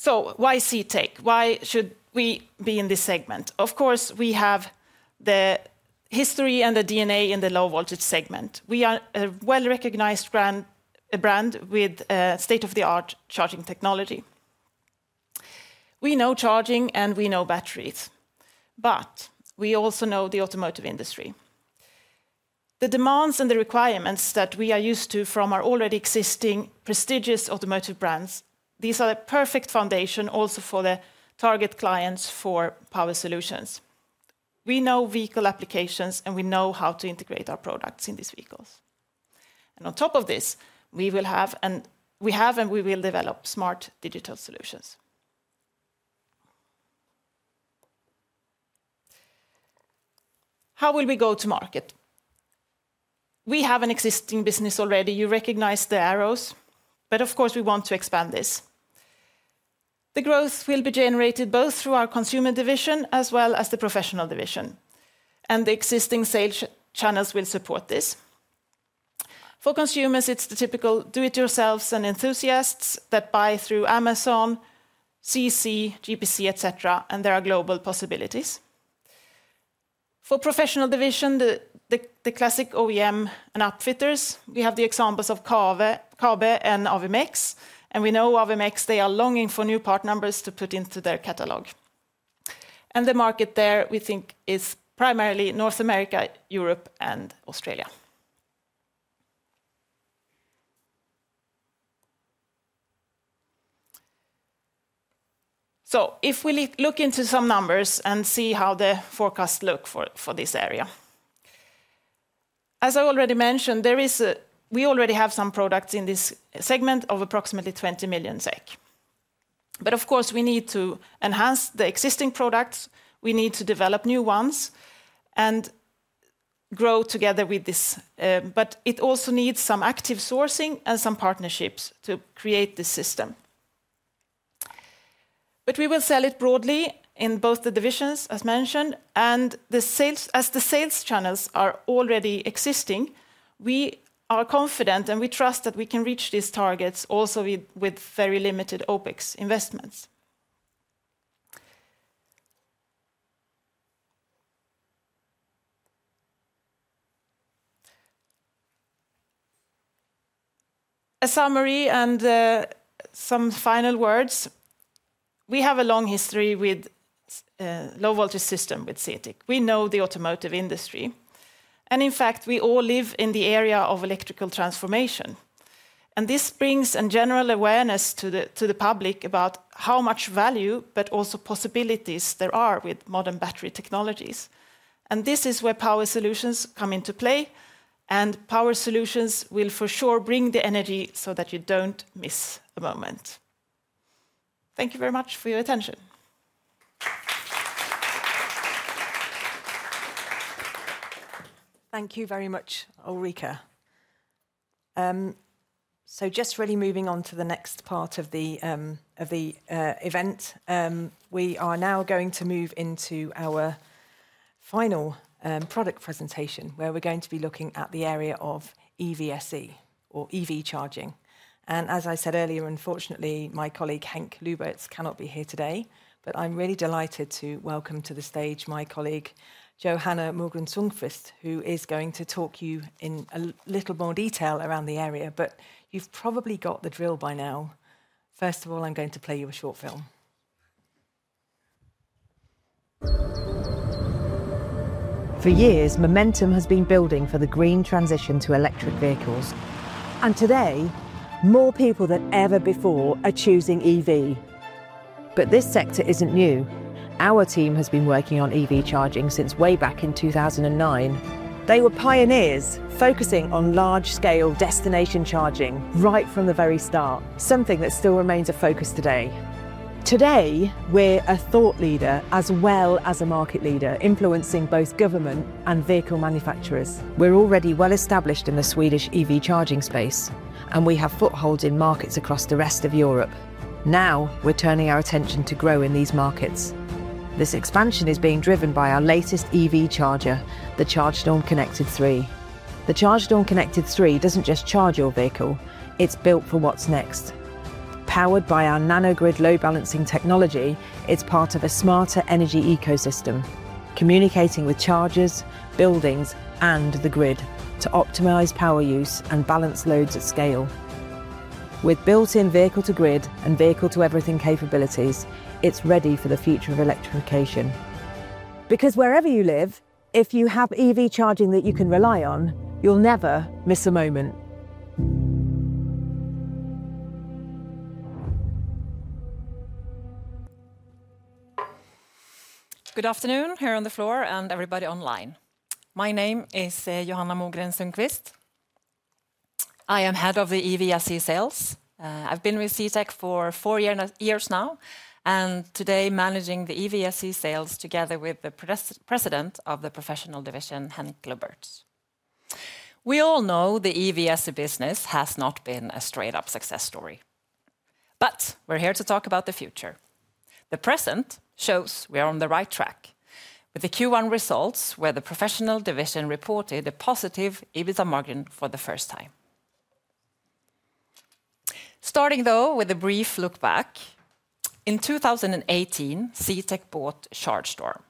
Why CTEK? Why should we be in this segment? Of course, we have the history and the DNA in the low voltage segment. We are a well-recognized brand with state-of-the-art charging technology. We know charging and we know batteries, but we also know the automotive industry. The demands and the requirements that we are used to from our already existing prestigious automotive brands, these are the perfect foundation also for the target clients for power solutions. We know vehicle applications and we know how to integrate our products in these vehicles. On top of this, we will have and we have and we will develop smart digital solutions. How will we go to market? We have an existing business already. You recognize the arrows, but of course, we want to expand this. The growth will be generated both through our consumer division as well as the professional division. The existing sales channels will support this. For consumers, it's the typical do-it-yourselves and enthusiasts that buy through Amazon, CC, GPC, etc., and there are global possibilities. For the professional division, the classic OEM and upfitters, we have the examples of Carver and AVMX, and we know AVMX, they are longing for new part numbers to put into their catalog. The market there, we think, is primarily North America, Europe, and Australia. If we look into some numbers and see how the forecasts look for this area. As I already mentioned, we already have some products in this segment of approximately 20 million SEK. Of course, we need to enhance the existing products. We need to develop new ones and grow together with this. It also needs some active sourcing and some partnerships to create this system. We will sell it broadly in both the divisions, as mentioned, and the sales channels are already existing. We are confident and we trust that we can reach these targets also with very limited OpEx investments. A summary and some final words. We have a long history with low voltage systems with CTEK. We know the automotive industry. In fact, we all live in the area of electrical transformation. This brings a general awareness to the public about how much value, but also possibilities there are with modern battery technologies. This is where power solutions come into play. Power solutions will for sure bring the energy so that you do not miss a moment. Thank you very much for your attention. Thank you very much, Ulrika. Just really moving on to the next part of the event, we are now going to move into our final product presentation where we're going to be looking at the area of EVSE or EV charging. As I said earlier, unfortunately, my colleague Henk Lubertz cannot be here today, but I'm really delighted to welcome to the stage my colleague Johanna Mogren Sundqvist, who is going to talk to you in a little more detail around the area, but you've probably got the drill by now. First of all, I'm going to play you a short film. For years, momentum has been building for the green transition to electric vehicles. Today, more people than ever before are choosing EV. This sector isn't new. Our team has been working on EV charging since way back in 2009. They were pioneers focusing on large-scale destination charging right from the very start, something that still remains a focus today. Today, we're a thought leader as well as a market leader, influencing both government and vehicle manufacturers. We're already well established in the Swedish EV charging space, and we have footholds in markets across the rest of Europe. Now we're turning our attention to grow in these markets. This expansion is being driven by our latest EV charger, the ChargeSTorm Connected 3. The ChargeSTorm Connected 3 doesn't just charge your vehicle. It's built for what's next. Powered by our nano-grid load balancing technology, it's part of a smarter energy ecosystem, communicating with chargers, buildings, and the grid to optimize power use and balance loads at scale. With built-in vehicle-to-grid and vehicle-to-everything capabilities, it's ready for the future of electrification. Because wherever you live, if you have EV charging that you can rely on, you'll never miss a moment. Good afternoon here on the floor and everybody online. My name is Johanna Mogren Sundqvist. I am Head of the EVSE Sales. I've been with CTEK for four years now and today managing the EVSE sales together with the President of the Professional Division, Henk Lubertz. We all know the EVSE business has not been a straight-up success story, but we're here to talk about the future. The present shows we are on the right track with the Q1 results where the Professional Division reported a positive EBITDA margin for the first time. Starting though with a brief look back, in 2018, CTEK bought ChargeSTorm.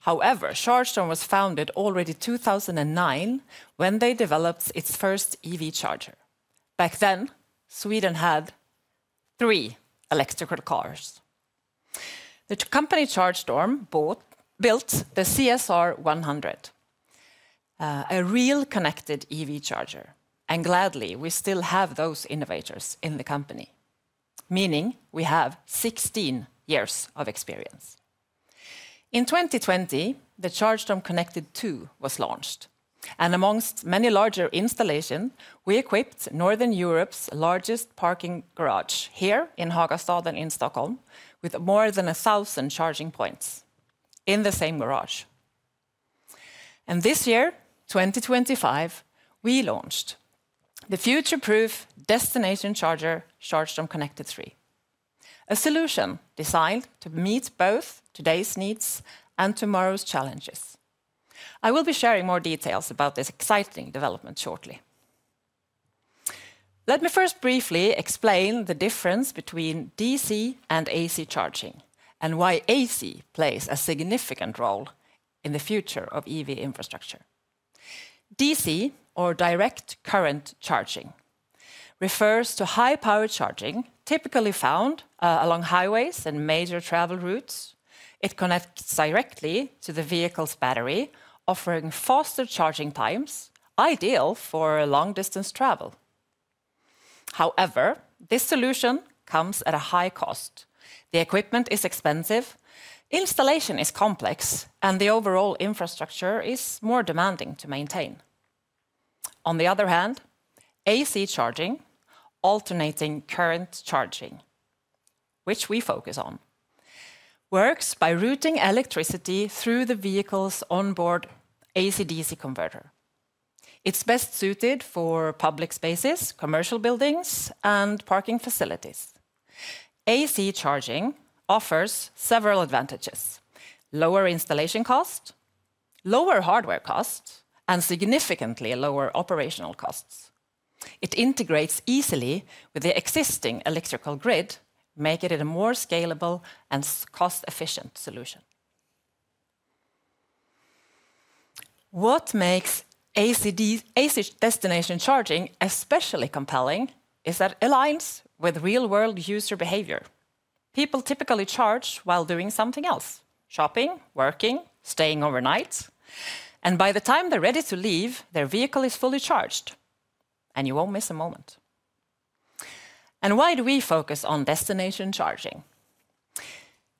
However, ChargeSTorm was founded already in 2009 when they developed its first EV charger. Back then, Sweden had three electrical cars. The company ChargeSTorm built the CSR 100, a real connected EV charger, and gladly we still have those innovators in the company, meaning we have 16 years of experience. In 2020, the ChargeSTorm Connected 2 was launched, and amongst many larger installations, we equipped Northern Europe's largest parking garage here in Hagastaden in Stockholm with more than 1,000 charging points in the same garage. This year, 2025, we launched the future-proof destination charger ChargeSTorm Connected 3, a solution designed to meet both today's needs and tomorrow's challenges. I will be sharing more details about this exciting development shortly. Let me first briefly explain the difference between DC and AC charging and why AC plays a significant role in the future of EV infrastructure. DC, or direct current charging, refers to high-power charging typically found along highways and major travel routes. It connects directly to the vehicle's battery, offering faster charging times ideal for long-distance travel. However, this solution comes at a high cost. The equipment is expensive, installation is complex, and the overall infrastructure is more demanding to maintain. On the other hand, AC charging, alternating current charging, which we focus on, works by routing electricity through the vehicle's onboard AC-DC converter. It is best suited for public spaces, commercial buildings, and parking facilities. AC charging offers several advantages: lower installation cost, lower hardware cost, and significantly lower operational costs. It integrates easily with the existing electrical grid, making it a more scalable and cost-efficient solution. What makes AC destination charging especially compelling is that it aligns with real-world user behavior. People typically charge while doing something else: shopping, working, staying overnight. By the time they are ready to leave, their vehicle is fully charged, and you will not miss a moment. Why do we focus on destination charging?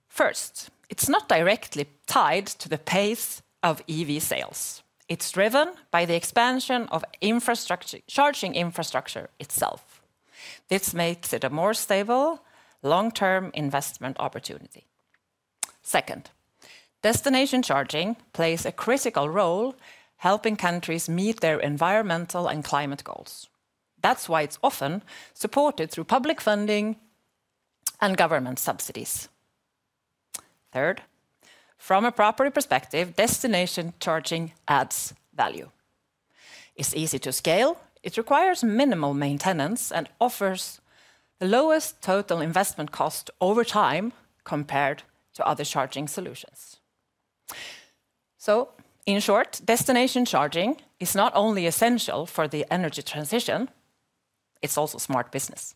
First, it's not directly tied to the pace of EV sales. It's driven by the expansion of charging infrastructure itself. This makes it a more stable, long-term investment opportunity. Second, destination charging plays a critical role in helping countries meet their environmental and climate goals. That's why it's often supported through public funding and government subsidies. Third, from a property perspective, destination charging adds value. It's easy to scale. It requires minimal maintenance and offers the lowest total investment cost over time compared to other charging solutions. In short, destination charging is not only essential for the energy transition, it's also smart business.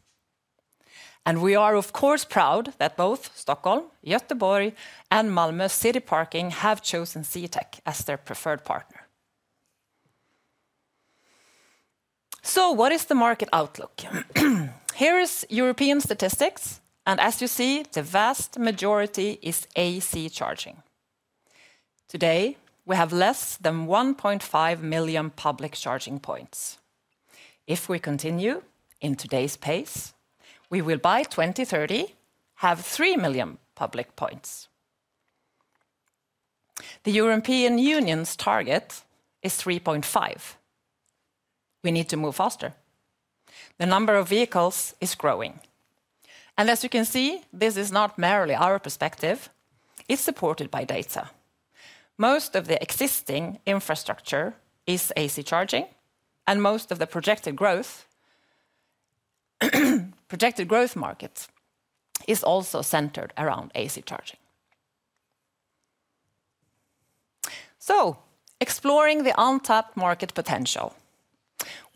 We are, of course, proud that both Stockholm, Göteborg, and Malmö city parking have chosen CTEK as their preferred partner. What is the market outlook? Here is European statistics. As you see, the vast majority is AC charging. Today, we have fewer than 1.5 million public charging points. If we continue at today's pace, we will by 2030 have 3 million public points. The European Union's target is 3.5 million. We need to move faster. The number of vehicles is growing. As you can see, this is not merely our perspective. It is supported by data. Most of the existing infrastructure is AC charging, and most of the projected growth, projected growth markets, is also centered around AC charging. Exploring the untapped market potential,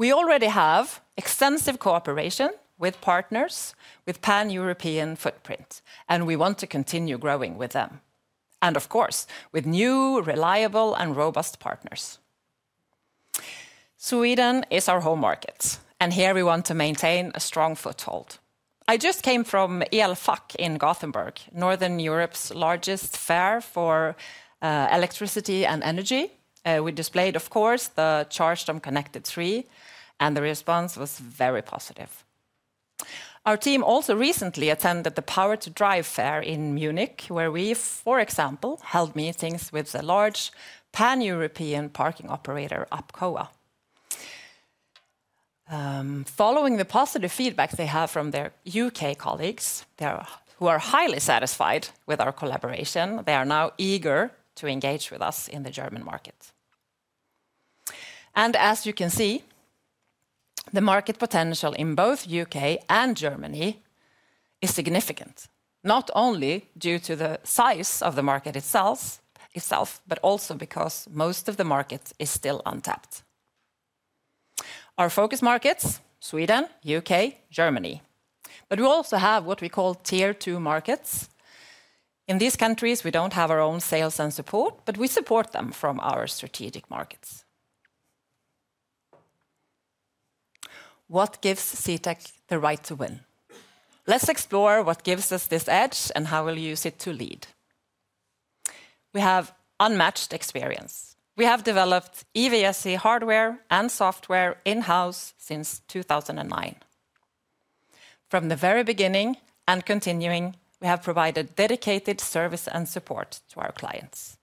we already have extensive cooperation with partners with a pan-European footprint, and we want to continue growing with them. Of course, with new, reliable, and robust partners. Sweden is our home market, and here we want to maintain a strong foothold. I just came from Elfack in Gothenburg, Northern Europe's largest fair for electricity and energy. We displayed, of course, the ChargeSTorm Connected 3, and the response was very positive. Our team also recently attended the Power to Drive Fair in Munich, where we, for example, held meetings with a large pan-European parking operator, APCOA. Following the positive feedback they have from their U.K. colleagues, who are highly satisfied with our collaboration, they are now eager to engage with us in the German market. As you can see, the market potential in both U.K. and Germany is significant, not only due to the size of the market itself, but also because most of the market is still untapped. Our focus markets: Sweden, U.K., Germany. We also have what we call tier two markets. In these countries, we don't have our own sales and support, but we support them from our strategic markets. What gives CTEK the right to win? Let's explore what gives us this edge and how we'll use it to lead. We have unmatched experience. We have developed EVSE hardware and software in-house since 2009. From the very beginning and continuing, we have provided dedicated service and support to our clients.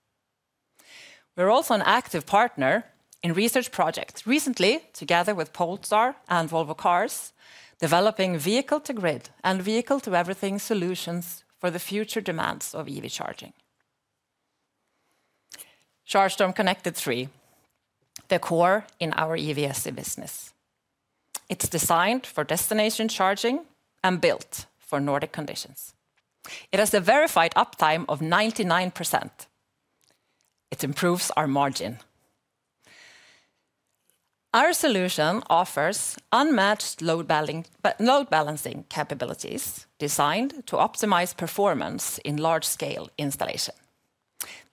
We're also an active partner in research projects recently, together with Polestar and Volvo Cars, developing vehicle-to-grid and vehicle-to-everything solutions for the future demands of EV charging. ChargeSTorm Connected 3, the core in our EVSE business. It's designed for destination charging and built for Nordic conditions. It has a verified uptime of 99%. It improves our margin. Our solution offers unmatched load balancing capabilities designed to optimize performance in large-scale installation.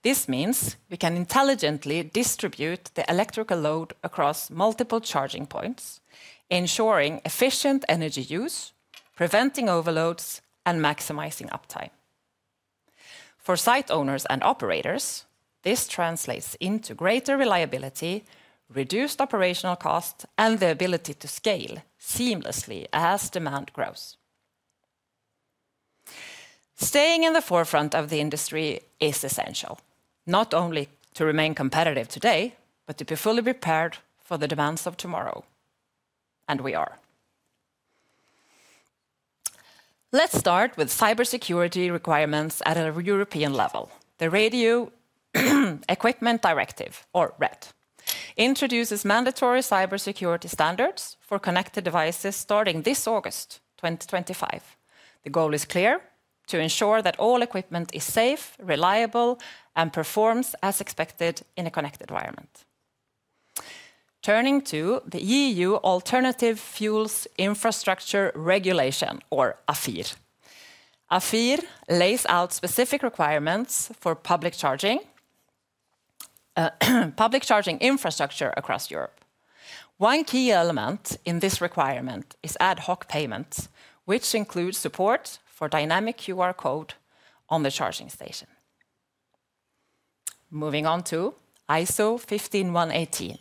This means we can intelligently distribute the electrical load across multiple charging points, ensuring efficient energy use, preventing overloads, and maximizing uptime. For site owners and operators, this translates into greater reliability, reduced operational cost, and the ability to scale seamlessly as demand grows. Staying in the forefront of the industry is essential, not only to remain competitive today, but to be fully prepared for the demands of tomorrow. We are. Let's start with cybersecurity requirements at a European level. The Radio Equipment Directive, or RED, introduces mandatory cybersecurity standards for connected devices starting August 2025. The goal is clear: to ensure that all equipment is safe, reliable, and performs as expected in a connected environment. Turning to the EU Alternative Fuels Infrastructure Regulation, or AFIR. AFIR lays out specific requirements for public charging infrastructure across Europe. One key element in this requirement is ad hoc payments, which include support for dynamic QR code on the charging station. Moving on to ISO 15118,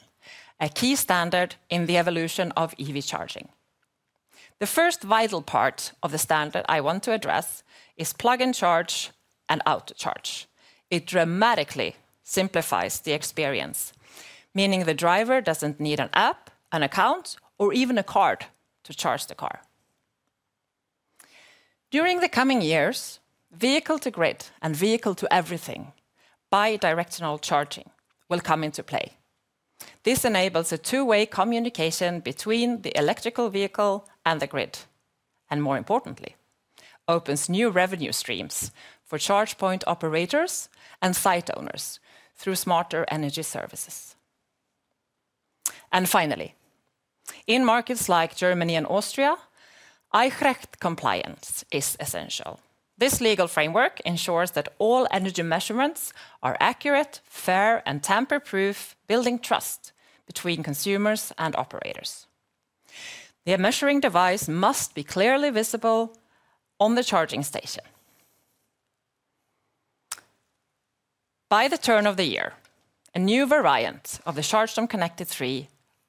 a key standard in the evolution of EV charging. The first vital part of the standard I want to address is plug-in charge and auto-charge. It dramatically simplifies the experience, meaning the driver doesn't need an app, an account, or even a card to charge the car. During the coming years, vehicle-to-grid and vehicle-to-everything bi-directional charging will come into play. This enables a two-way communication between the electrical vehicle and the grid, and more importantly, opens new revenue streams for charge point operators and site owners through smarter energy services. Finally, in markets like Germany and Austria, EICHRECT compliance is essential. This legal framework ensures that all energy measurements are accurate, fair, and tamper-proof, building trust between consumers and operators. The measuring device must be clearly visible on the charging station. By the turn of the year, a new variant of the ChargeSTorm Connected 3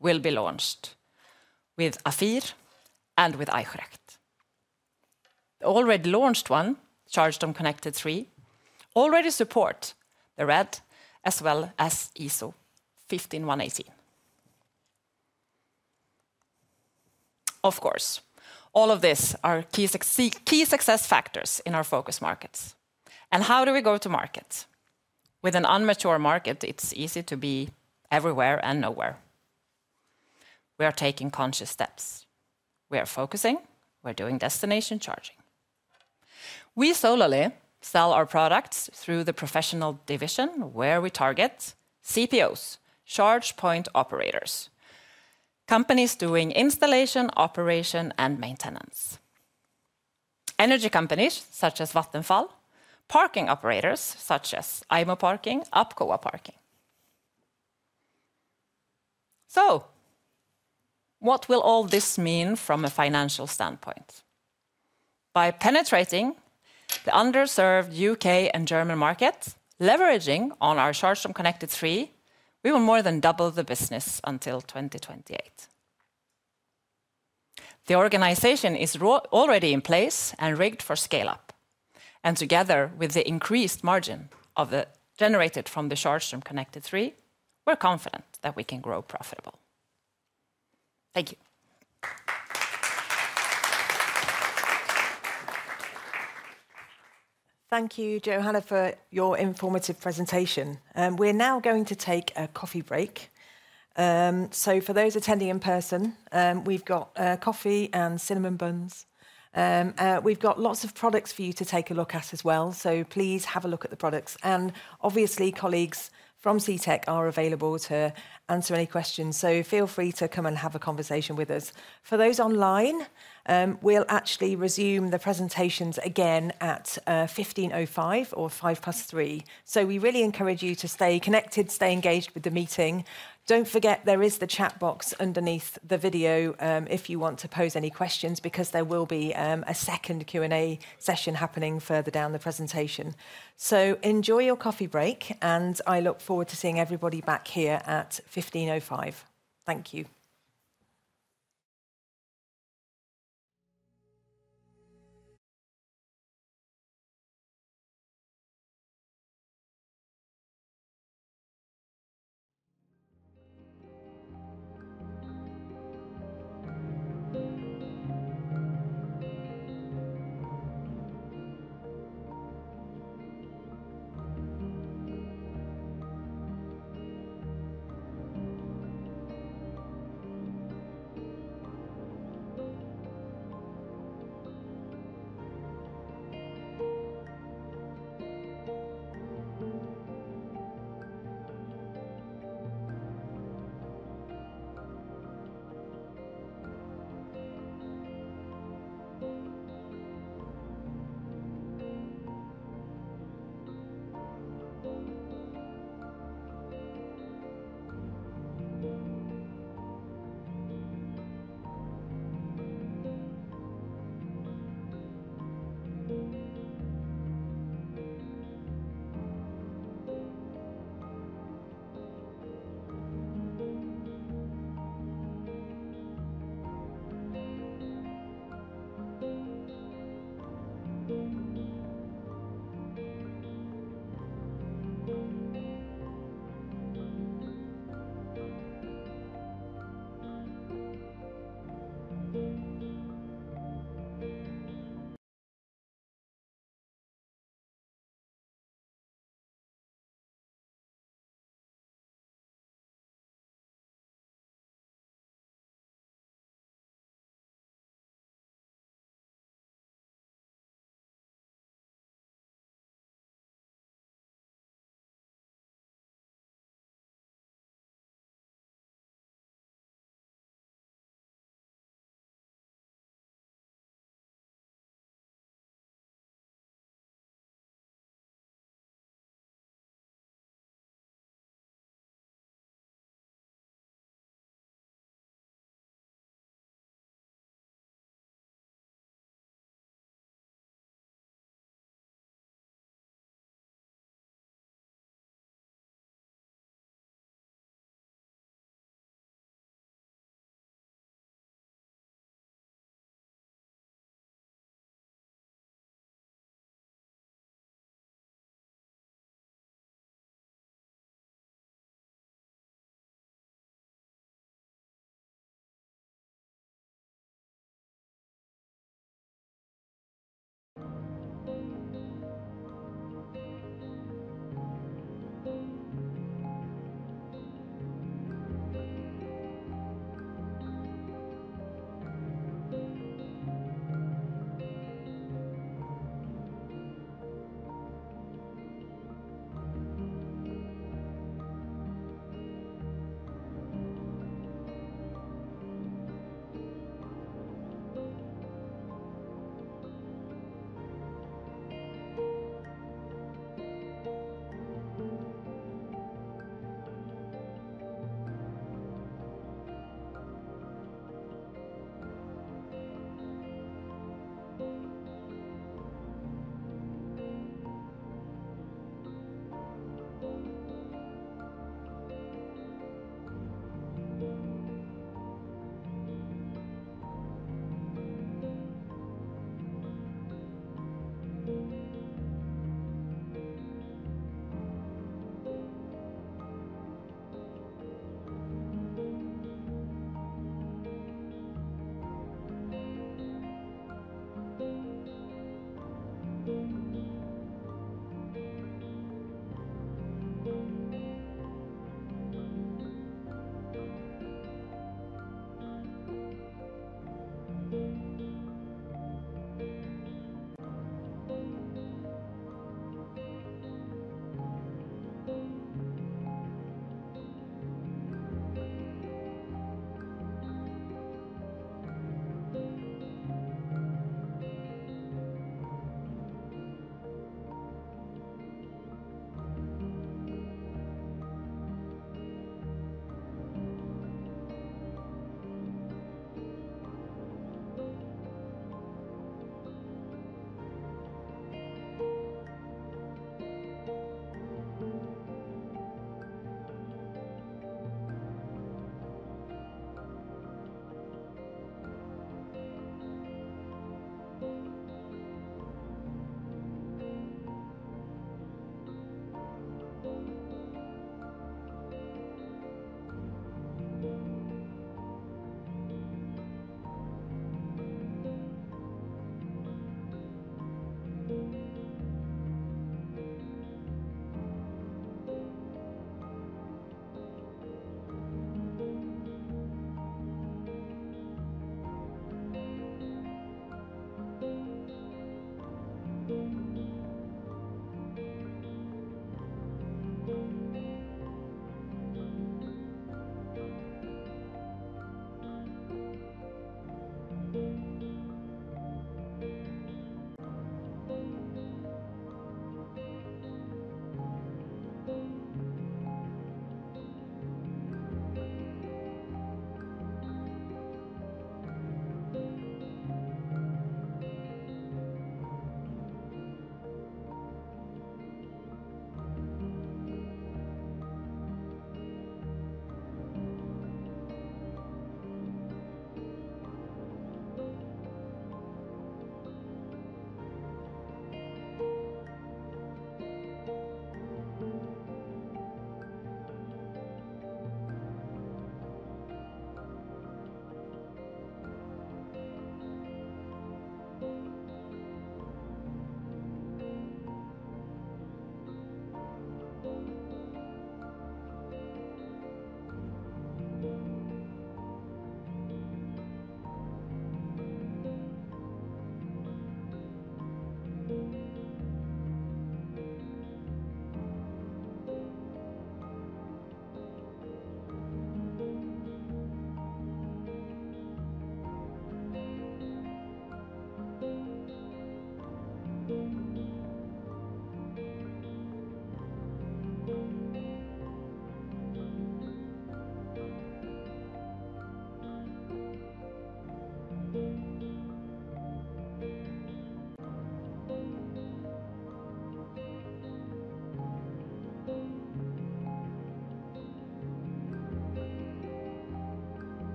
will be launched with AFIR and with EICHRECT. The already launched one, ChargeSTorm Connected 3, already supports the RED as well as ISO 15118. Of course, all of these are key success factors in our focus markets. How do we go to market? With an unmature market, it's easy to be everywhere and nowhere. We are taking conscious steps. We are focusing. We're doing destination charging. We solely sell our products through the professional division where we target CPOs, charge point operators, companies doing installation, operation, and maintenance. Energy companies such as Vattenfall, parking operators such as IMO Parking, APCOA Parking. What will all this mean from a financial standpoint? By penetrating the underserved U.K. and German market, leveraging on our ChargeSTorm Connected 3, we will more than double the business until 2028. The organization is already in place and rigged for scale-up. Together with the increased margin generated from the ChargeSTorm Connected 3, we're confident that we can grow profitable. Thank you. Thank you, Johanna, for your informative presentation. We're now going to take a coffee break. For those attending in person, we've got coffee and cinnamon buns. We've got lots of products for you to take a look at as well. Please have a look at the products. Obviously, colleagues from CTEK are available to answer any questions. Feel free to come and have a conversation with us. For those online, we'll actually resume the presentations again at 15:05 or five past 3:00. We really encourage you to stay connected, stay engaged with the meeting. Do not forget there is the chat box underneath the video if you want to pose any questions because there will be a second Q&A session happening further down the presentation. Enjoy your coffee break, and I look forward to seeing everybody back here at 15:05. Thank you.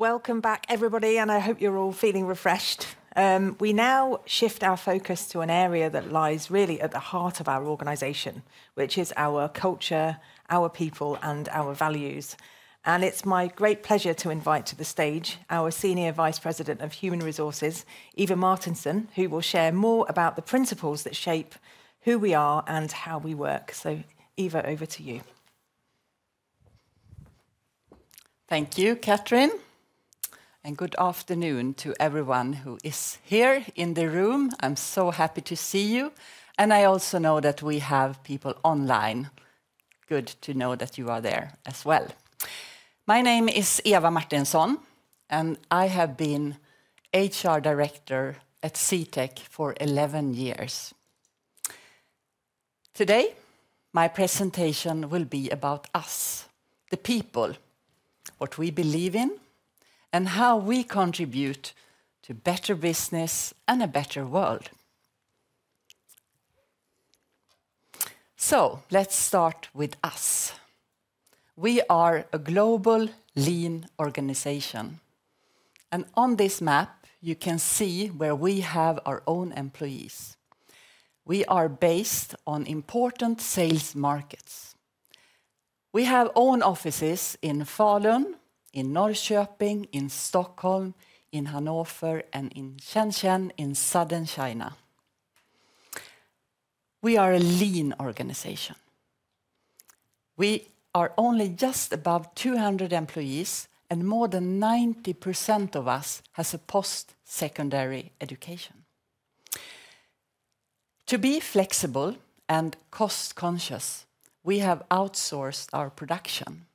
Welcome back, everybody, and I hope you are all feeling refreshed. We now shift our focus to an area that lies really at the heart of our organization, which is our culture, our people, and our values. It is my great pleasure to invite to the stage our Senior Vice President of Human Resources, Eva Martinsson, who will share more about the principles that shape who we are and how we work. Eva, over to you. Thank you, Katharine. Good afternoon to everyone who is here in the room. I'm so happy to see you. I also know that we have people online. Good to know that you are there as well. My name is Eva Martinsson, and I have been HR Director at CTEK for 11 years. Today, my presentation will be about us, the people, what we believe in, and how we contribute to better business and a better world. Let's start with us. We are a global lean organisation. On this map, you can see where we have our own employees. We are based on important sales markets. We have own offices in Falun, in Norrköping, in Stockholm, in Hanover, and in Shenzhen in southern China. We are a lean organisation. We are only just above 200 employees, and more than 90% of us has a post-secondary education. To be flexible and cost-conscious, we have outsourced our production.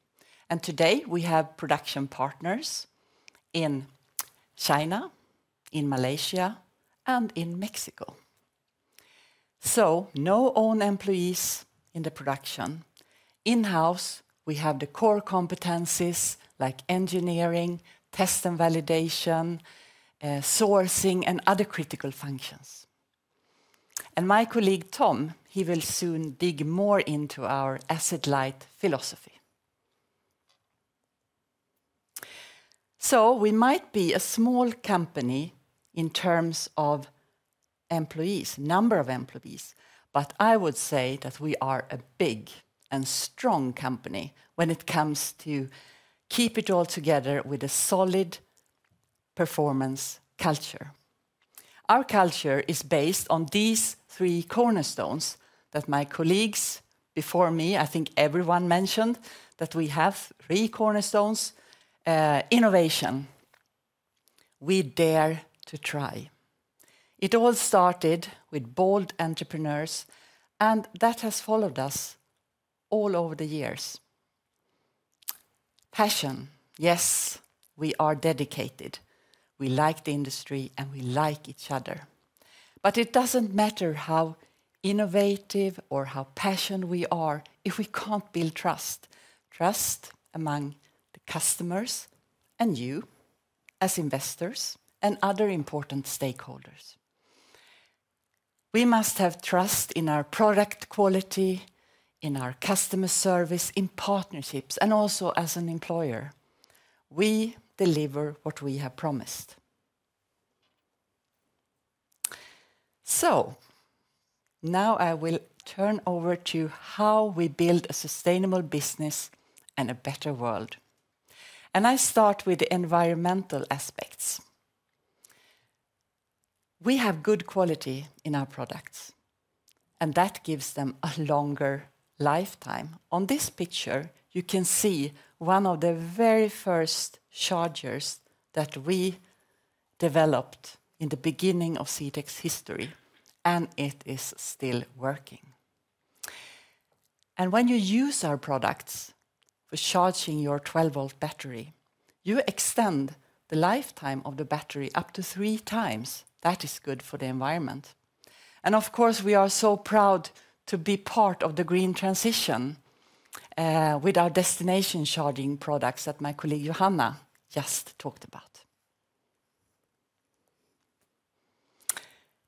Today, we have production partners in China, in Malaysia, and in Mexico. No own employees in the production. In-house, we have the core competencies like engineering, test and validation, sourcing, and other critical functions. My colleague Tom, he will soon dig more into our asset light philosophy. We might be a small company in terms of employees, number of employees, but I would say that we are a big and strong company when it comes to keeping it all together with a solid performance culture. Our culture is based on these three cornerstones that my colleagues before me, I think everyone mentioned, that we have three cornerstones: innovation. We dare to try. It all started with bold entrepreneurs, and that has followed us all over the years. Passion. Yes, we are dedicated. We like the industry, and we like each other. It doesn't matter how innovative or how passionate we are if we can't build trust, trust among the customers and you as investors and other important stakeholders. We must have trust in our product quality, in our customer service, in partnerships, and also as an employer. We deliver what we have promised. Now I will turn over to how we build a sustainable business and a better world. I start with the environmental aspects. We have good quality in our products, and that gives them a longer lifetime. On this picture, you can see one of the very first chargers that we developed in the beginning of CTEK's history, and it is still working. When you use our products for charging your 12-volt battery, you extend the lifetime of the battery up to 3x. That is good for the environment. Of course, we are so proud to be part of the green transition with our destination charging products that my colleague Johanna just talked about.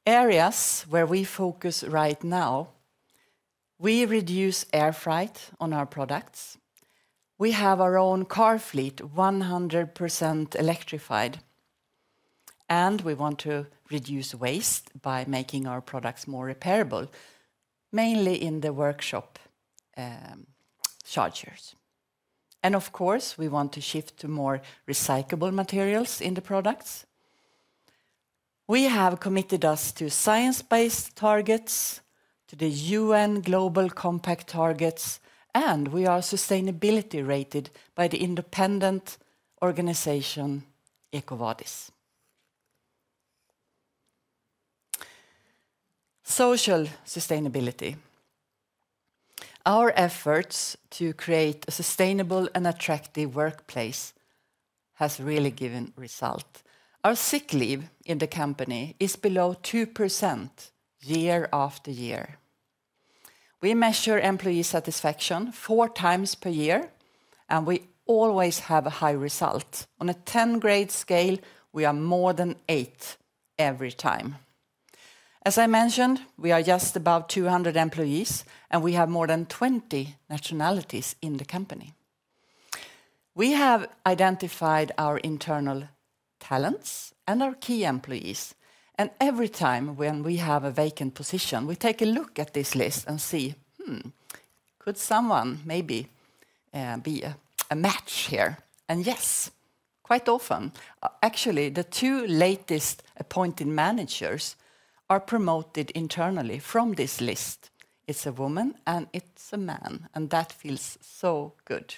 Areas where we focus right now, we reduce air freight on our products. We have our own car fleet 100% electrified, and we want to reduce waste by making our products more repairable, mainly in the workshop chargers. Of course, we want to shift to more recyclable materials in the products. We have committed us to science-based targets, to the UN Global Compact targets, and we are sustainability rated by the independent organization EcoVadis. Social sustainability. Our efforts to create a sustainable and attractive workplace have really given results. Our sick leave in the company is below 2% year after year. We measure employee satisfaction 4x per year, and we always have a high result. On a 10-grade scale, we are more than eight every time. As I mentioned, we are just about 200 employees, and we have more than 20 nationalities in the company. We have identified our internal talents and our key employees. Every time when we have a vacant position, we take a look at this list and see, could someone maybe be a match here? Yes, quite often, actually, the two latest appointed managers are promoted internally from this list. It's a woman and it's a man, and that feels so good.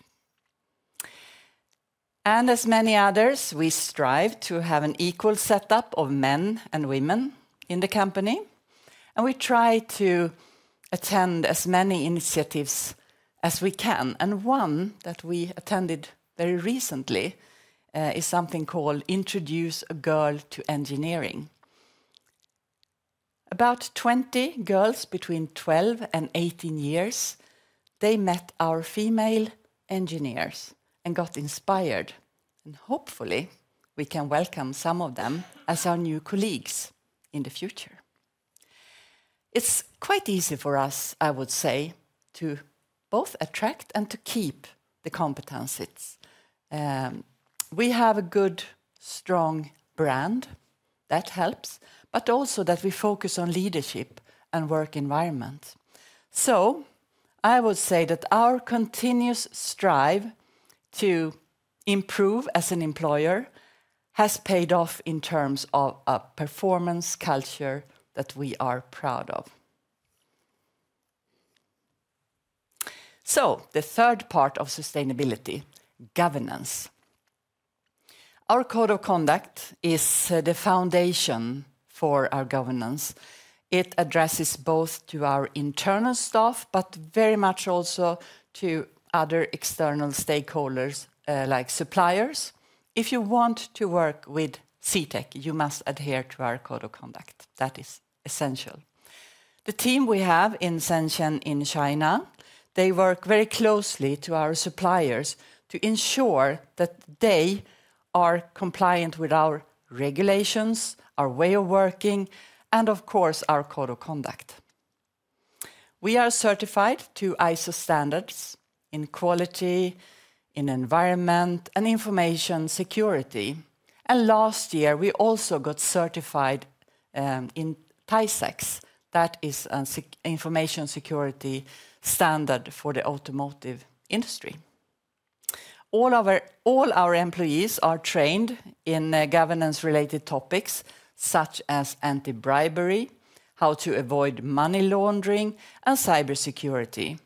As many others, we strive to have an equal setup of men and women in the company. We try to attend as many initiatives as we can. One that we attended very recently is something called Introduce a Girl to Engineering. About 20 girls between 12 and 18 years, they met our female engineers and got inspired. Hopefully, we can welcome some of them as our new colleagues in the future. It's quite easy for us, I would say, to both attract and to keep the competencies. We have a good, strong brand. That helps, but also that we focus on leadership and work environment. I would say that our continuous strive to improve as an employer has paid off in terms of a performance culture that we are proud of. The third part of sustainability, governance. Our code of conduct is the foundation for our governance. It addresses both to our internal staff, but very much also to other external stakeholders like suppliers. If you want to work with CTEK, you must adhere to our code of conduct. That is essential. The team we have in Shenzhen in China, they work very closely to our suppliers to ensure that they are compliant with our regulations, our way of working, and of course, our code of conduct. We are certified to ISO standards in quality, in environment, and information security. Last year, we also got certified in TISAX. That is an information security standard for the automotive industry. All our employees are trained in governance-related topics such as anti-bribery, how to avoid money laundering, and cybersecurity.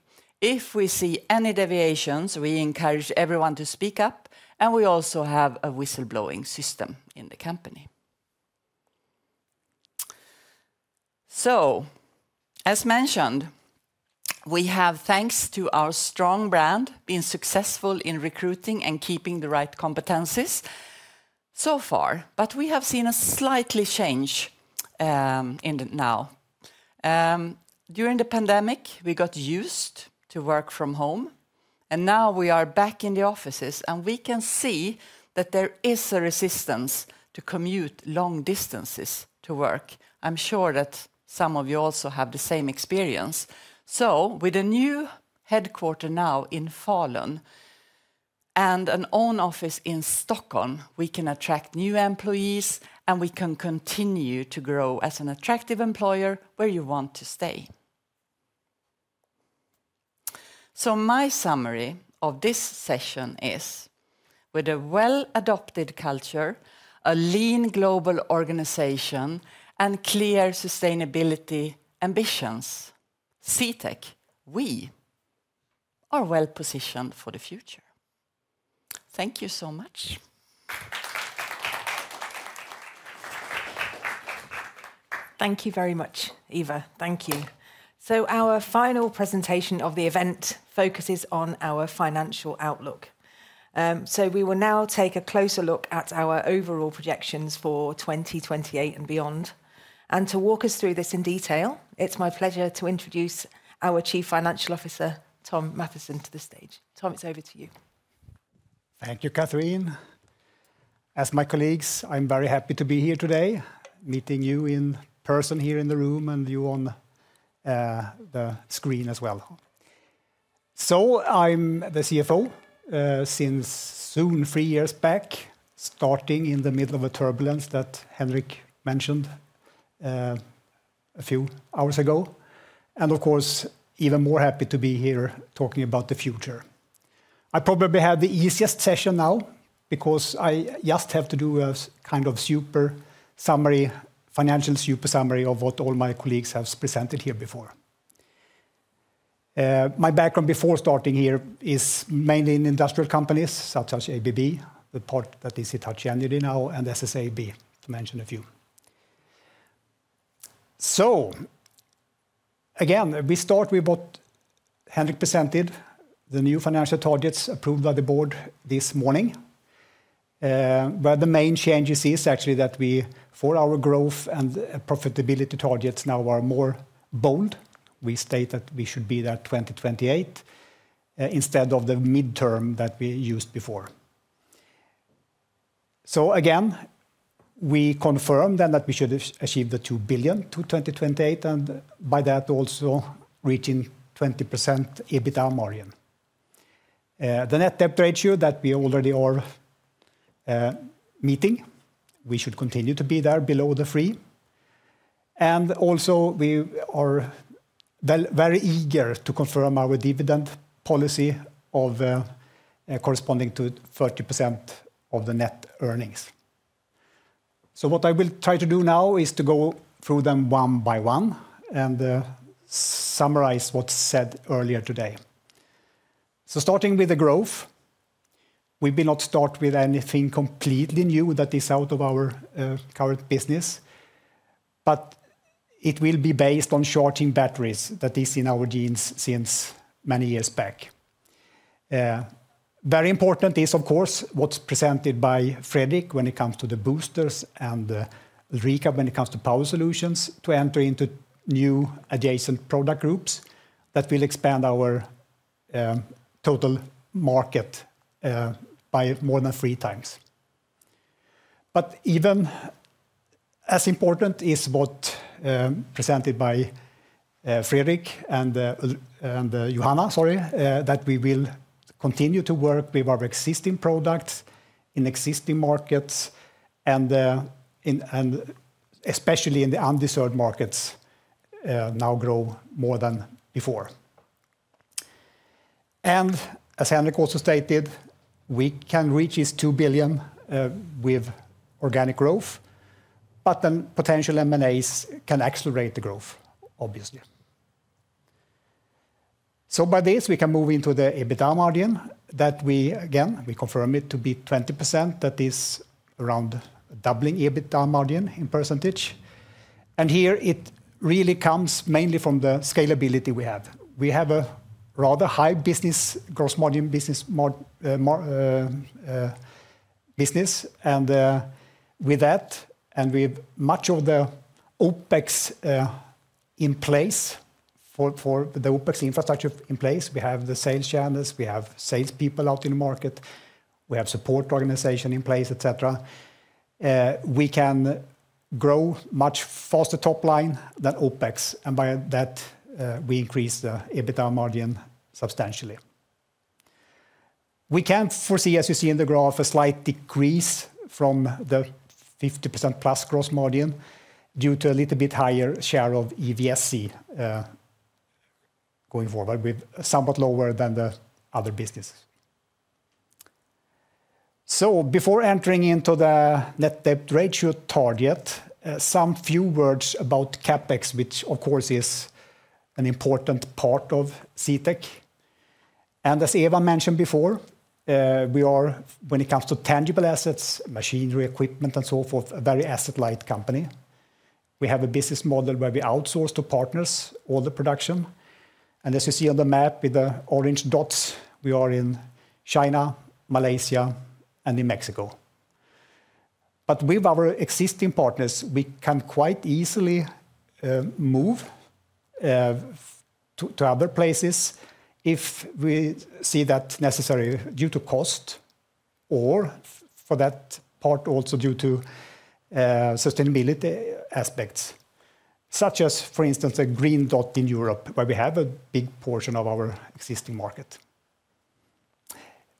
If we see any deviations, we encourage everyone to speak up, and we also have a whistle-blowing system in the company. As mentioned, we have, thanks to our strong brand, been successful in recruiting and keeping the right competencies so far, but we have seen a slight change now. During the pandemic, we got used to work from home, and now we are back in the offices, and we can see that there is a resistance to commute long distances to work. I'm sure that some of you also have the same experience. With a new headquarter now in Falun and an own office in Stockholm, we can attract new employees, and we can continue to grow as an attractive employer where you want to stay. My summary of this session is, with a well-adopted culture, a lean global organisation, and clear sustainability ambitions, CTEK, we are well positioned for the future. Thank you so much. Thank you very much, Eva. Thank you. Our final presentation of the event focuses on our financial outlook. We will now take a closer look at our overall projections for 2028 and beyond. To walk us through this in detail, it's my pleasure to introduce our Chief Financial Officer, Thom Mathisen, to the stage. Thom, it's over to you. Thank you, Katharine. As my colleagues, I'm very happy to be here today, meeting you in person here in the room and you on the screen as well. I'm the CFO since soon, three years back, starting in the middle of a turbulence that Henrik mentioned a few hours ago. Of course, even more happy to be here talking about the future. I probably have the easiest session now because I just have to do a kind of super summary, financial super summary of what all my colleagues have presented here before. My background before starting here is mainly in industrial companies such as ABB, the part that is Hitachi Energy now, and SSAB, to mention a few. Again, we start with what Henrik presented, the new financial targets approved by the board this morning. The main change is actually that for our growth and profitability targets, we now are more bold. We state that we should be there 2028 instead of the midterm that we used before. Again, we confirm then that we should achieve the 2 billion to 2028 and by that also reaching 20% EBITDA margin. The net debt ratio that we already are meeting, we should continue to be there below the three. Also, we are very eager to confirm our dividend policy of corresponding to 30% of the net earnings. What I will try to do now is to go through them one by one and summarize what's said earlier today. Starting with the growth, we will not start with anything completely new that is out of our current business, but it will be based on charging batteries that is in our genes since many years back. Very important is, of course, what is presented by Frederik when it comes to the boosters and Rika when it comes to power solutions to enter into new adjacent product groups that will expand our total market by more than 3x. Even as important is what is presented by Frederik and Johanna, sorry, that we will continue to work with our existing products in existing markets and especially in the underserved markets now grow more than before. As Henrik also stated, we can reach this 2 billion with organic growth, but then potential M&As can accelerate the growth, obviously. By this, we can move into the EBITDA margin that we, again, we confirm it to be 20%, that is around doubling EBITDA margin in percentage. Here it really comes mainly from the scalability we have. We have a rather high business gross margin, and with that, and we have much of the OpEx in place for the OpEx infrastructure in place. We have the sales channels, we have salespeople out in the market, we have support organization in place, etc. We can grow much faster top line than OpEx, and by that, we increase the EBITDA margin substantially. We can foresee, as you see in the graph, a slight decrease from the 50%+ gross margin due to a little bit higher share of EVSE going forward, but with somewhat lower than the other businesses. Before entering into the net debt ratio target, a few words about CapEx, which of course is an important part of CTEK. As Eva mentioned before, we are, when it comes to tangible assets, machinery, equipment, and so forth, a very asset-light company. We have a business model where we outsource to partners all the production. As you see on the map with the orange dots, we are in China, Malaysia, and in Mexico. With our existing partners, we can quite easily move to other places if we see that necessary due to cost or for that part also due to sustainability aspects, such as, for instance, a green dot in Europe where we have a big portion of our existing market.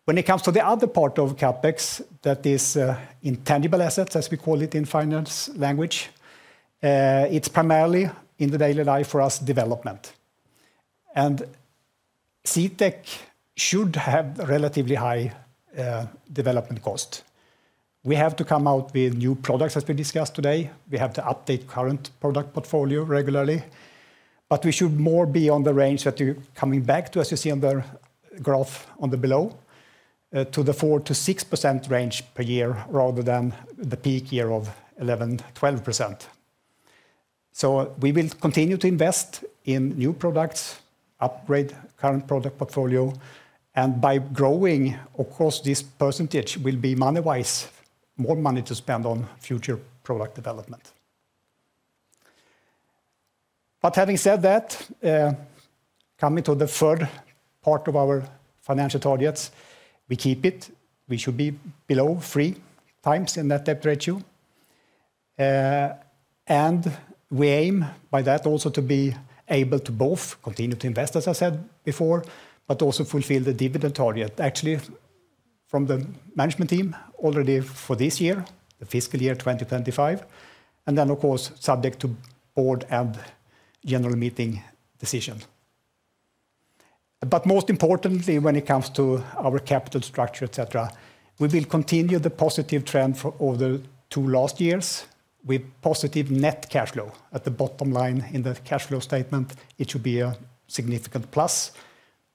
When it comes to the other part of CapEx, that is intangible assets, as we call it in finance language, it's primarily in the daily life for us development. And CTEK should have relatively high development cost. We have to come out with new products as we discussed today. We have to update current product portfolio regularly, but we should more be on the range that you're coming back to, as you see on the graph on the below, to the 4%-6% range per year rather than the peak year of 11%-12%. We will continue to invest in new products, upgrade current product portfolio, and by growing, of course, this percentage will be money-wise, more money to spend on future product development. Having said that, coming to the third part of our financial targets, we keep it. We should be below 3x in net debt ratio. We aim by that also to be able to both continue to invest, as I said before, but also fulfill the dividend target, actually from the management team already for this year, the fiscal year 2025, and then, of course, subject to board and general meeting decision. Most importantly, when it comes to our capital structure, etc., we will continue the positive trend of the two last years with positive net cash flow. At the bottom line in the cash flow statement, it should be a significant plus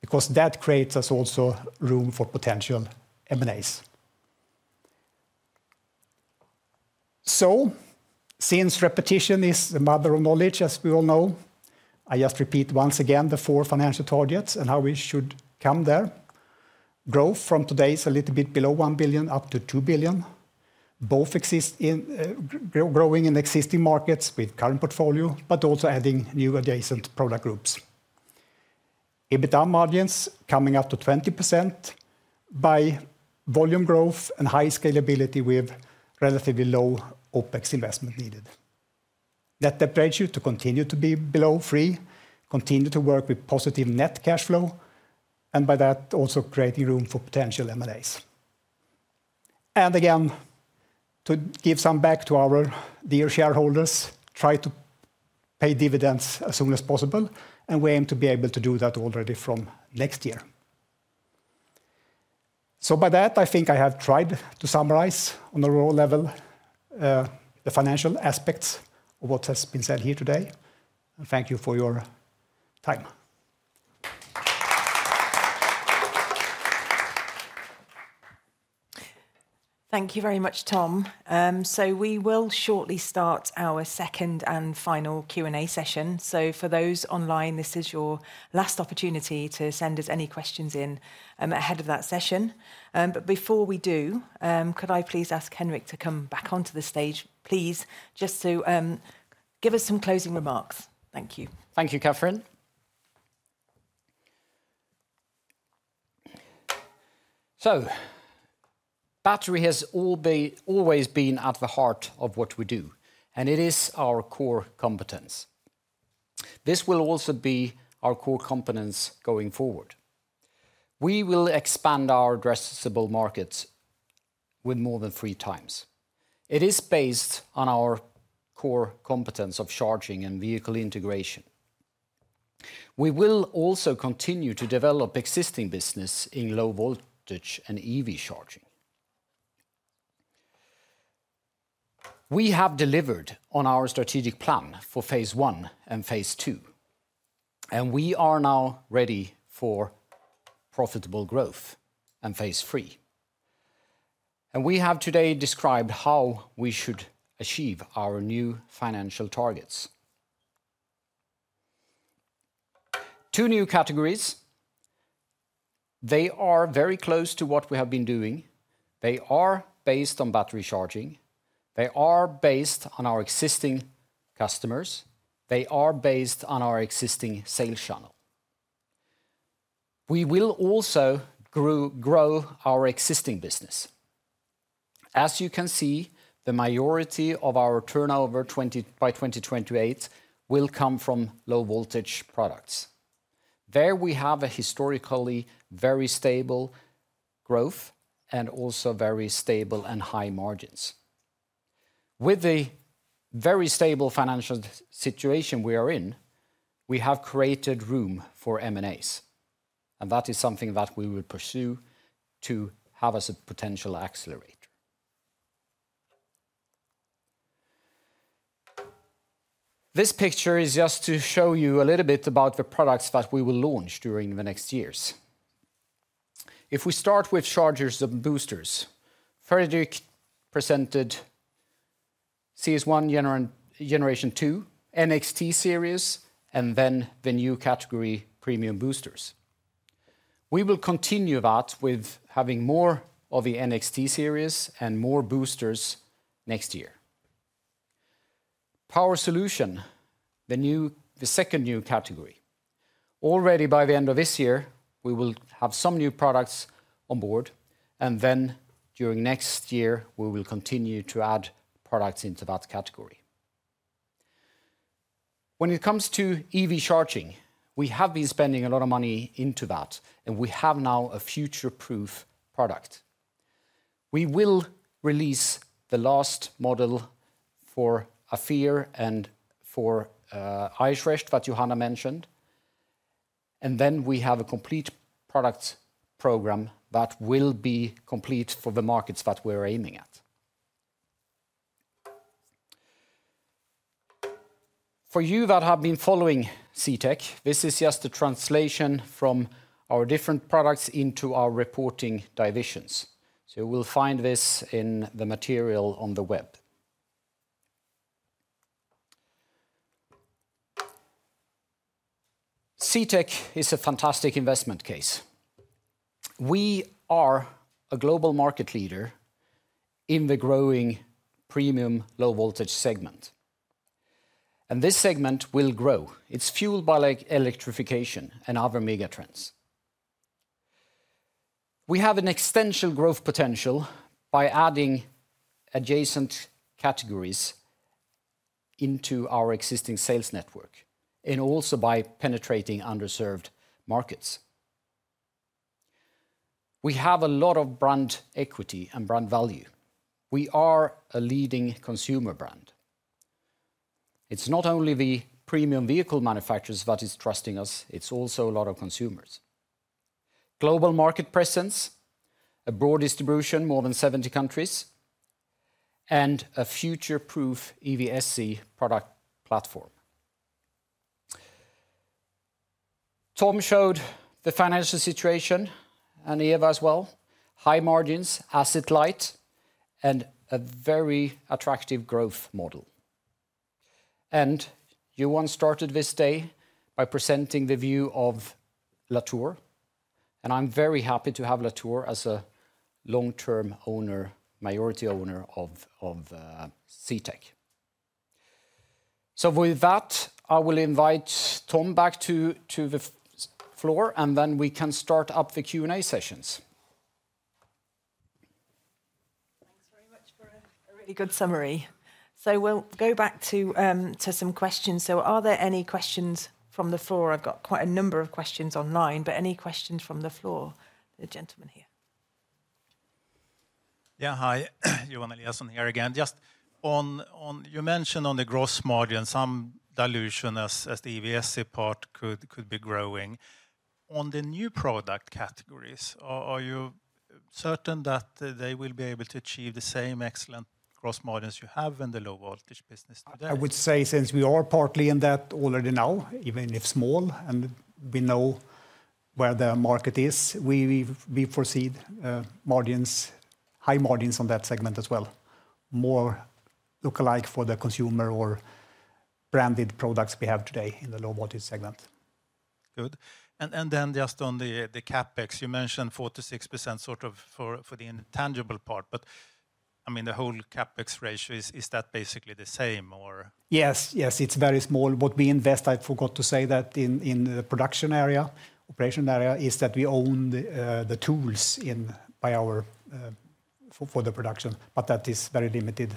because that creates us also room for potential M&As. Since repetition is the mother of knowledge, as we all know, I just repeat once again the four financial targets and how we should come there. Growth from today's a little bit below 1 billion up to 2 billion. Both exist in growing in existing markets with current portfolio, but also adding new adjacent product groups. EBITDA margins coming up to 20% by volume growth and high scalability with relatively low OpEx investment needed. Net debt ratio to continue to be below three, continue to work with positive net cash flow, and by that also creating room for potential M&As. Again, to give some back to our dear shareholders, try to pay dividends as soon as possible, and we aim to be able to do that already from next year. By that, I think I have tried to summarize on a raw level the financial aspects of what has been said here today. Thank you for your time. Thank you very much, Thom. We will shortly start our second and final Q&A session. For those online, this is your last opportunity to send us any questions in ahead of that session. Before we do, could I please ask Henrik to come back onto the stage, please, just to give us some closing remarks? Thank you. Thank you, Katharine. Battery has always been at the heart of what we do, and it is our core competence. This will also be our core competence going forward. We will expand our addressable markets with more than 3x. It is based on our core competence of charging and vehicle integration. We will also continue to develop existing business in low voltage and EV charging. We have delivered on our strategic plan for phase I and phase II, and we are now ready for profitable growth and phase III. We have today described how we should achieve our new financial targets. Two new categories. They are very close to what we have been doing. They are based on battery charging. They are based on our existing customers. They are based on our existing sales channel. We will also grow our existing business. As you can see, the majority of our turnover by 2028 will come from low voltage products. There we have a historically very stable growth and also very stable and high margins. With the very stable financial situation we are in, we have created room for M&As, and that is something that we will pursue to have as a potential accelerator. This picture is just to show you a little bit about the products that we will launch during the next years. If we start with chargers and boosters, Fredrik presented CS1 generation 2, NXT series, and then the new category premium boosters. We will continue that with having more of the NXT Series and more boosters next year. Power solutions, the new, the second new category. Already by the end of this year, we will have some new products on board, and then during next year, we will continue to add products into that category. When it comes to EV charging, we have been spending a lot of money into that, and we have now a future-proof product. We will release the last model for AFIR and for EICHRECT, that Johanna mentioned, and then we have a complete product program that will be complete for the markets that we're aiming at. For you that have been following CTEK, this is just a translation from our different products into our reporting divisions. You will find this in the material on the web. CTEK is a fantastic investment case. We are a global market leader in the growing premium low voltage segment, and this segment will grow. It's fueled by electrification and other mega trends. We have an extensive growth potential by adding adjacent categories into our existing sales network and also by penetrating underserved markets. We have a lot of brand equity and brand value. We are a leading consumer brand. It's not only the premium vehicle manufacturers that are trusting us, it's also a lot of consumers. Global market presence, a broad distribution, more than 70 countries, and a future-proof EVSE product platform. Thom showed the financial situation and Eva as well. High margins, asset light, and a very attractive growth model. Johanna started this day by presenting the view of Latour, and I'm very happy to have Latour as a long-term owner, majority owner of CTEK. With that, I will invite Thom back to the floor, and then we can start up the Q&A sessions. Thanks very much for a really good summary. We will go back to some questions. Are there any questions from the floor? I have quite a number of questions online, but any questions from the floor, the gentleman here? Yeah, hi, Johan Eliasson here again. Just on, you mentioned on the gross margin, some dilution as the EVSE part could be growing. On the new product categories, are you certain that they will be able to achieve the same excellent gross margins you have in the low voltage business today? I would say since we are partly in that already now, even if small, and we know where the market is, we foresee high margins on that segment as well. More lookalike for the consumer or branded products we have today in the low voltage segment. Good. And then just on the CapEx, you mentioned 4%-6% sort of for the intangible part, but I mean the whole CapEx ratio, is that basically the same or? Yes, yes, it's very small. What we invest, I forgot to say that in the production area, operation area, is that we own the tools by our for the production, but that is very limited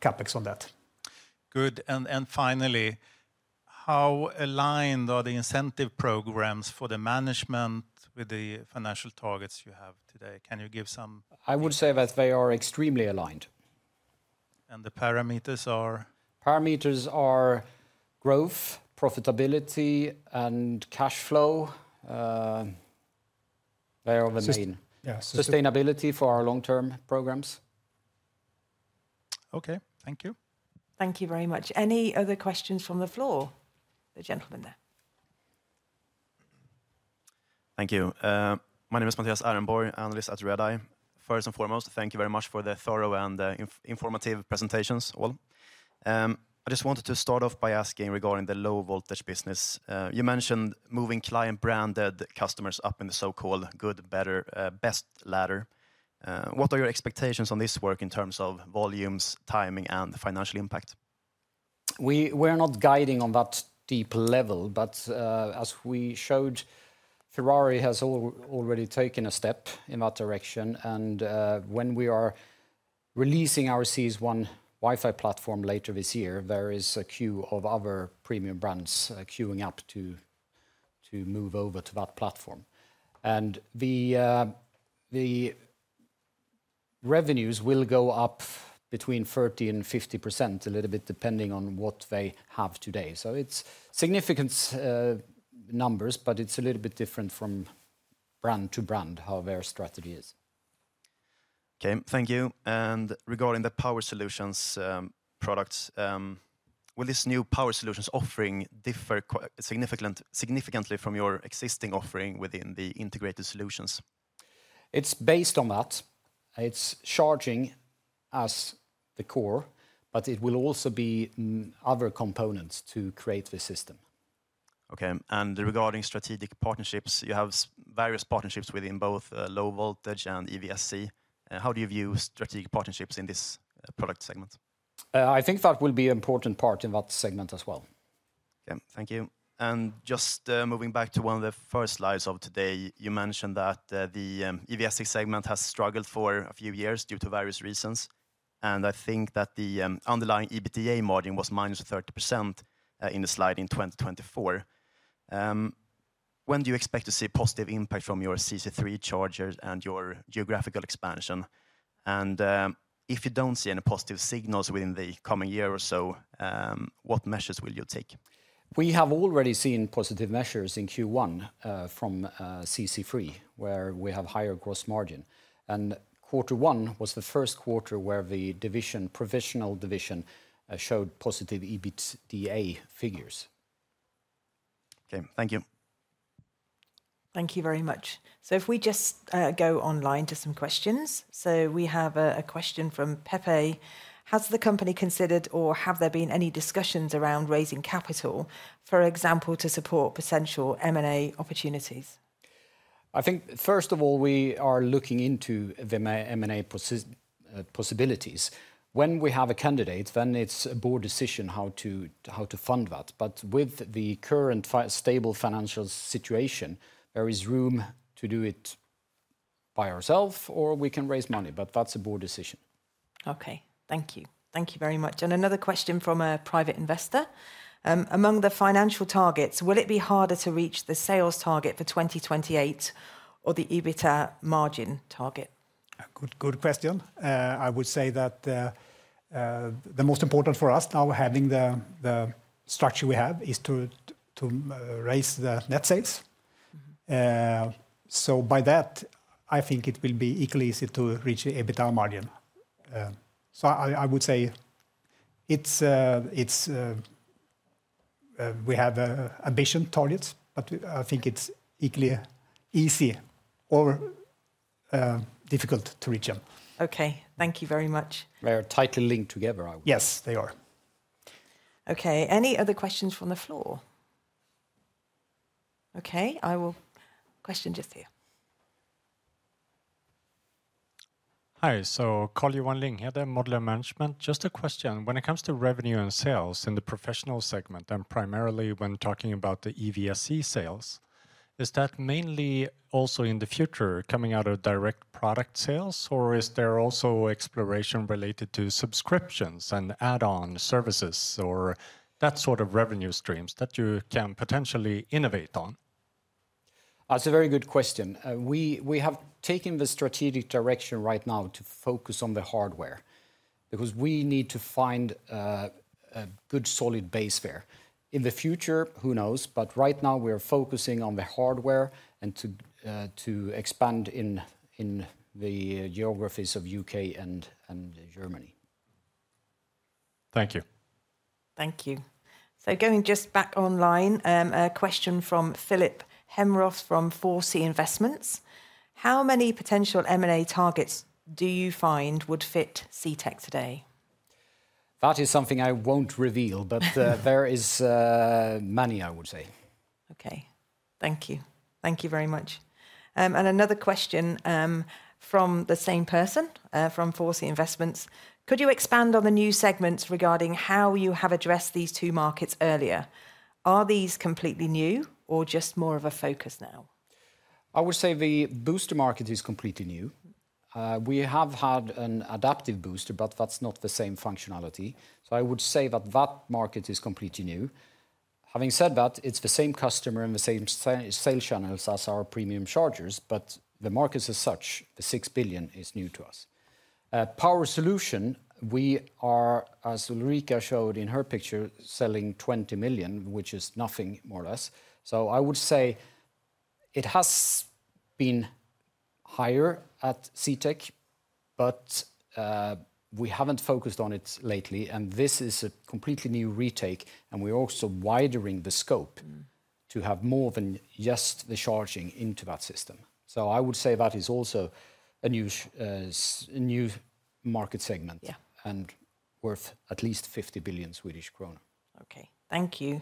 CapEx on that. Good. And finally, how aligned are the incentive programs for the management with the financial targets you have today? Can you give some? I would say that they are extremely aligned. And the parameters are? Parameters are growth, profitability, and cash flow. They are the main. Sustainability for our long-term programs. Okay, thank you. Thank you very much. Any other questions from the floor? The gentleman there. Thank you. My name is Mattias Ehrenborg, analyst at Redeye. First and foremost, thank you very much for the thorough and informative presentations, all. I just wanted to start off by asking regarding the low voltage business. You mentioned moving client-branded customers up in the so-called good, better, best ladder. What are your expectations on this work in terms of volumes, timing, and financial impact? We are not guiding on that deep level, but as we showed, Ferrari has already taken a step in that direction. When we are releasing our CS1 Wi-Fi platform later this year, there is a queue of other premium brands queuing up to move over to that platform. The revenues will go up between 30%-50%, a little bit depending on what they have today. It is significant numbers, but it is a little bit different from brand to brand how their strategy is. Okay, thank you. Regarding the power solutions products, will this new power solutions offering differ significantly from your existing offering within the integrated solutions? It is based on that. It is charging as the core, but it will also be other components to create the system. Okay. Regarding strategic partnerships, you have various partnerships within both low voltage and EVSE. How do you view strategic partnerships in this product segment? I think that will be an important part in that segment as well. Okay, thank you. Just moving back to one of the first slides of today, you mentioned that the EVSE segment has struggled for a few years due to various reasons. I think that the underlying EBITDA margin was -30% in the slide in 2024. When do you expect to see a positive impact from your CC3 chargers and your geographical expansion? If you do not see any positive signals within the coming year or so, what measures will you take? We have already seen positive measures in Q1 from CC3, where we have higher gross margin. Quarter one was the first quarter where the professional division showed positive EBITDA figures. Okay, thank you. Thank you very much. If we just go online to some questions. We have a question from Pepe. Has the company considered or have there been any discussions around raising capital, for example, to support potential M&A opportunities? I think first of all, we are looking into the M&A possibilities. When we have a candidate, then it is a board decision how to fund that. With the current stable financial situation, there is room to do it by ourselves or we can raise money, but that is a board decision. Okay, thank you. Thank you very much. Another question from a private investor. Among the financial targets, will it be harder to reach the sales target for 2028 or the EBITDA margin target? Good question. I would say that the most important for us now, having the structure we have, is to raise the net sales. By that, I think it will be equally easy to reach the EBITDA margin. I would say we have ambition targets, but I think it is equally easy or difficult to reach them. Okay, thank you very much. They are tightly linked together, I would say. Yes, they are. Okay, any other questions from the floor? Okay, I will. Question just here. Hi, so Colleen Wan-Ling here, the Modular Management. Just a question. When it comes to revenue and sales in the professional segment, and primarily when talking about the EVSE sales, is that mainly also in the future coming out of direct product sales, or is there also exploration related to subscriptions and add-on services or that sort of revenue streams that you can potentially innovate on? That's a very good question. We have taken the strategic direction right now to focus on the hardware because we need to find a good solid base there. In the future, who knows, but right now we are focusing on the hardware and to expand in the geographies of the U.K. and Germany. Thank you. Thank you. Going just back online, a question from Philip Hemros from Forsey Investments. How many potential M&A targets do you find would fit CTEK today? That is something I won't reveal, but there is many, I would say. Okay, thank you. Thank you very much. Another question from the same person from Forsey Investments. Could you expand on the new segments regarding how you have addressed these two markets earlier? Are these completely new or just more of a focus now? I would say the booster market is completely new. We have had an adaptive booster, but that's not the same functionality. I would say that that market is completely new. Having said that, it's the same customer and the same sales channels as our premium chargers, but the market as such, the 6 billion, is new to us. Power solution, we are, as Ulrika showed in her picture, selling 20 million, which is nothing more or less. I would say it has been higher at CTEK, but we haven't focused on it lately. This is a completely new retake, and we're also widening the scope to have more than just the charging into that system. I would say that is also a new market segment and worth at least 50 billion Swedish kronor. Okay, thank you.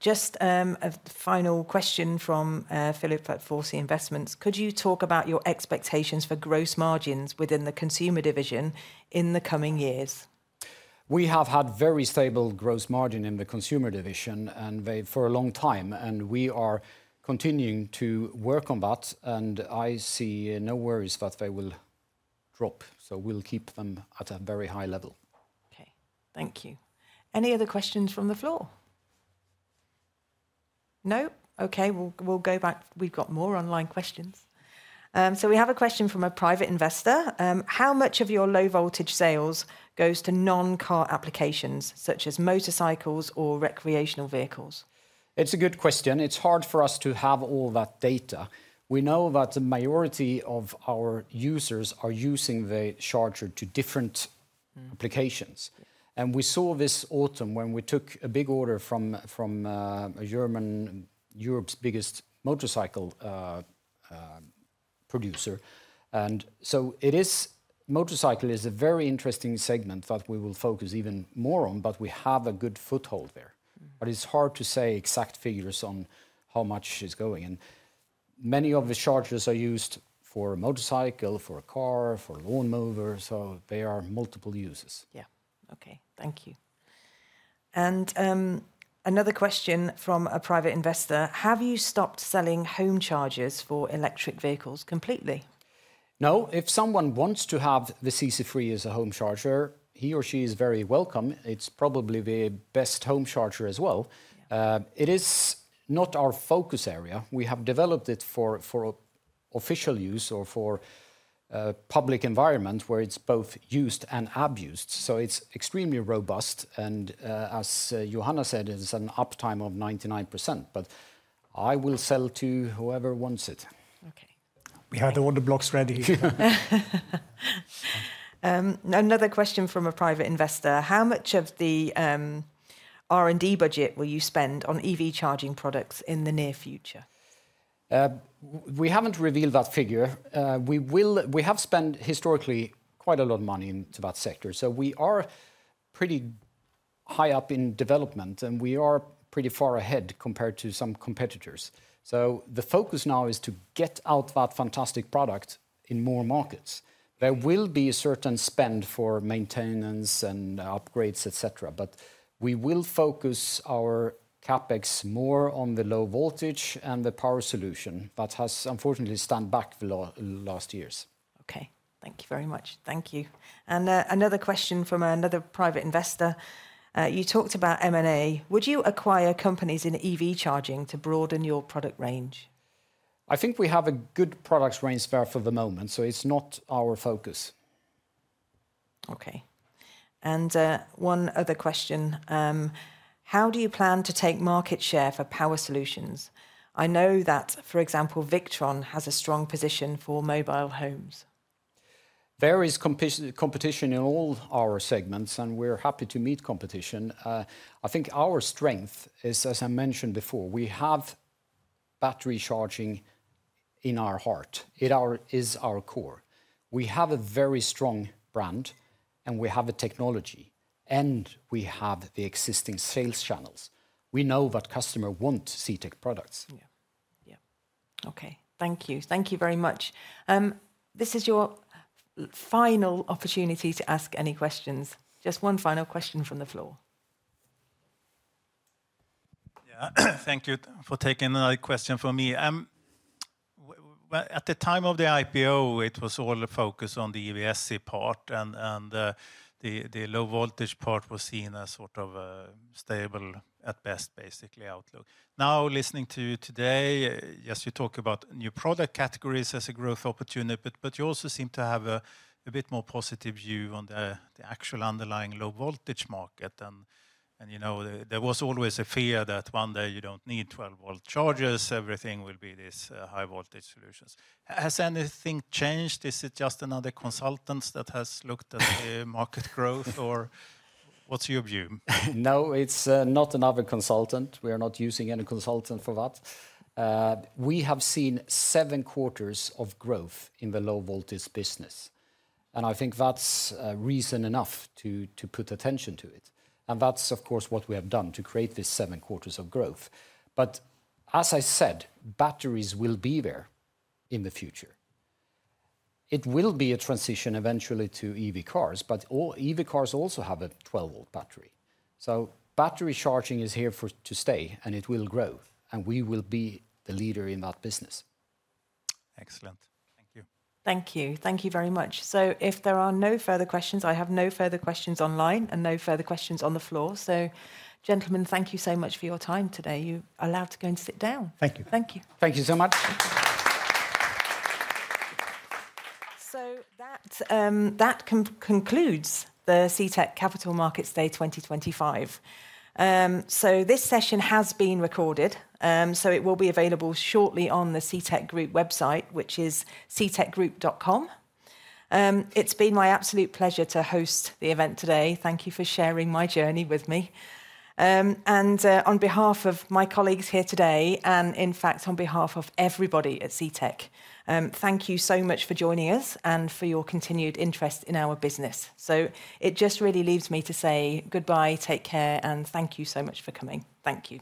Just a final question from Philip at Forsey Investments. Could you talk about your expectations for gross margins within the consumer division in the coming years? We have had very stable gross margin in the consumer division for a long time, and we are continuing to work on that. I see no worries that they will drop, so we'll keep them at a very high level. Okay, thank you. Any other questions from the floor? No? Okay, we'll go back. We've got more online questions. We have a question from a private investor. How much of your low voltage sales goes to non-car applications such as motorcycles or recreational vehicles? It's a good question. It's hard for us to have all that data. We know that the majority of our users are using the charger to different applications. We saw this autumn when we took a big order from a German, Europe's biggest motorcycle producer. Motorcycle is a very interesting segment that we will focus even more on, and we have a good foothold there. It's hard to say exact figures on how much is going. Many of the chargers are used for a motorcycle, for a car, for a lawnmower. There are multiple uses. Yeah, okay, thank you. Another question from a private investor. Have you stopped selling home chargers for electric vehicles completely? No, if someone wants to have the CC3 as a home charger, he or she is very welcome. It's probably the best home charger as well. It is not our focus area. We have developed it for official use or for public environment where it's both used and abused. It is extremely robust. As Johanna said, it's an uptime of 99%, but I will sell to whoever wants it. Okay. We had the water blocks ready. Another question from a private investor. How much of the R&D budget will you spend on EV charging products in the near future? We haven't revealed that figure. We have spent historically quite a lot of money into that sector. We are pretty high up in development and we are pretty far ahead compared to some competitors. The focus now is to get out that fantastic product in more markets. There will be a certain spend for maintenance and upgrades, et cetera, but we will focus our CapEx more on the low voltage and the power solution that has unfortunately stand back the last years. Okay, thank you very much. Thank you. Another question from another private investor. You talked about M&A. Would you acquire companies in EV charging to broaden your product range? I think we have a good product range there for the moment, so it's not our focus. Okay. One other question. How do you plan to take market share for power solutions? I know that, for example, Victron has a strong position for mobile homes. There is competition in all our segments, and we're happy to meet competition. I think our strength is, as I mentioned before, we have battery charging in our heart. It is our core. We have a very strong brand, and we have the technology, and we have the existing sales channels. We know that customers want CTEK products. Okay, thank you. Thank you very much. This is your final opportunity to ask any questions. Just one final question from the floor. Thank you for taking another question from me. At the time of the IPO, it was all the focus on the EVSE part, and the low voltage part was seen as sort of a stable, at best, basically outlook. Now, listening to you today, yes, you talk about new product categories as a growth opportunity, but you also seem to have a bit more positive view on the actual underlying low voltage market. There was always a fear that one day you do not need 12-volt chargers; everything will be these high-voltage solutions. Has anything changed? Is it just another consultant that has looked at the market growth, or what's your view? No, it's not another consultant. We are not using any consultant for that. We have seen seven quarters of growth in the low voltage business. I think that's reason enough to put attention to it. That's, of course, what we have done to create these seven quarters of growth. As I said, batteries will be there in the future. It will be a transition eventually to EV cars, but EV cars also have a 12-volt battery. Battery charging is here to stay, and it will grow, and we will be the leader in that business. Excellent. Thank you. Thank you. Thank you very much. If there are no further questions, I have no further questions online and no further questions on the floor. Gentlemen, thank you so much for your time today. You are allowed to go and sit down. Thank you. Thank you. Thank you so much. That concludes the CTEK Capital Markets Day 2025. This session has been recorded, so it will be available shortly on the CTEK Group website, which is ctekgroup.com. It's been my absolute pleasure to host the event today. Thank you for sharing my journey with me. On behalf of my colleagues here today, and in fact, on behalf of everybody at CTEK, thank you so much for joining us and for your continued interest in our business. It just really leaves me to say goodbye, take care, and thank you so much for coming. Thank you.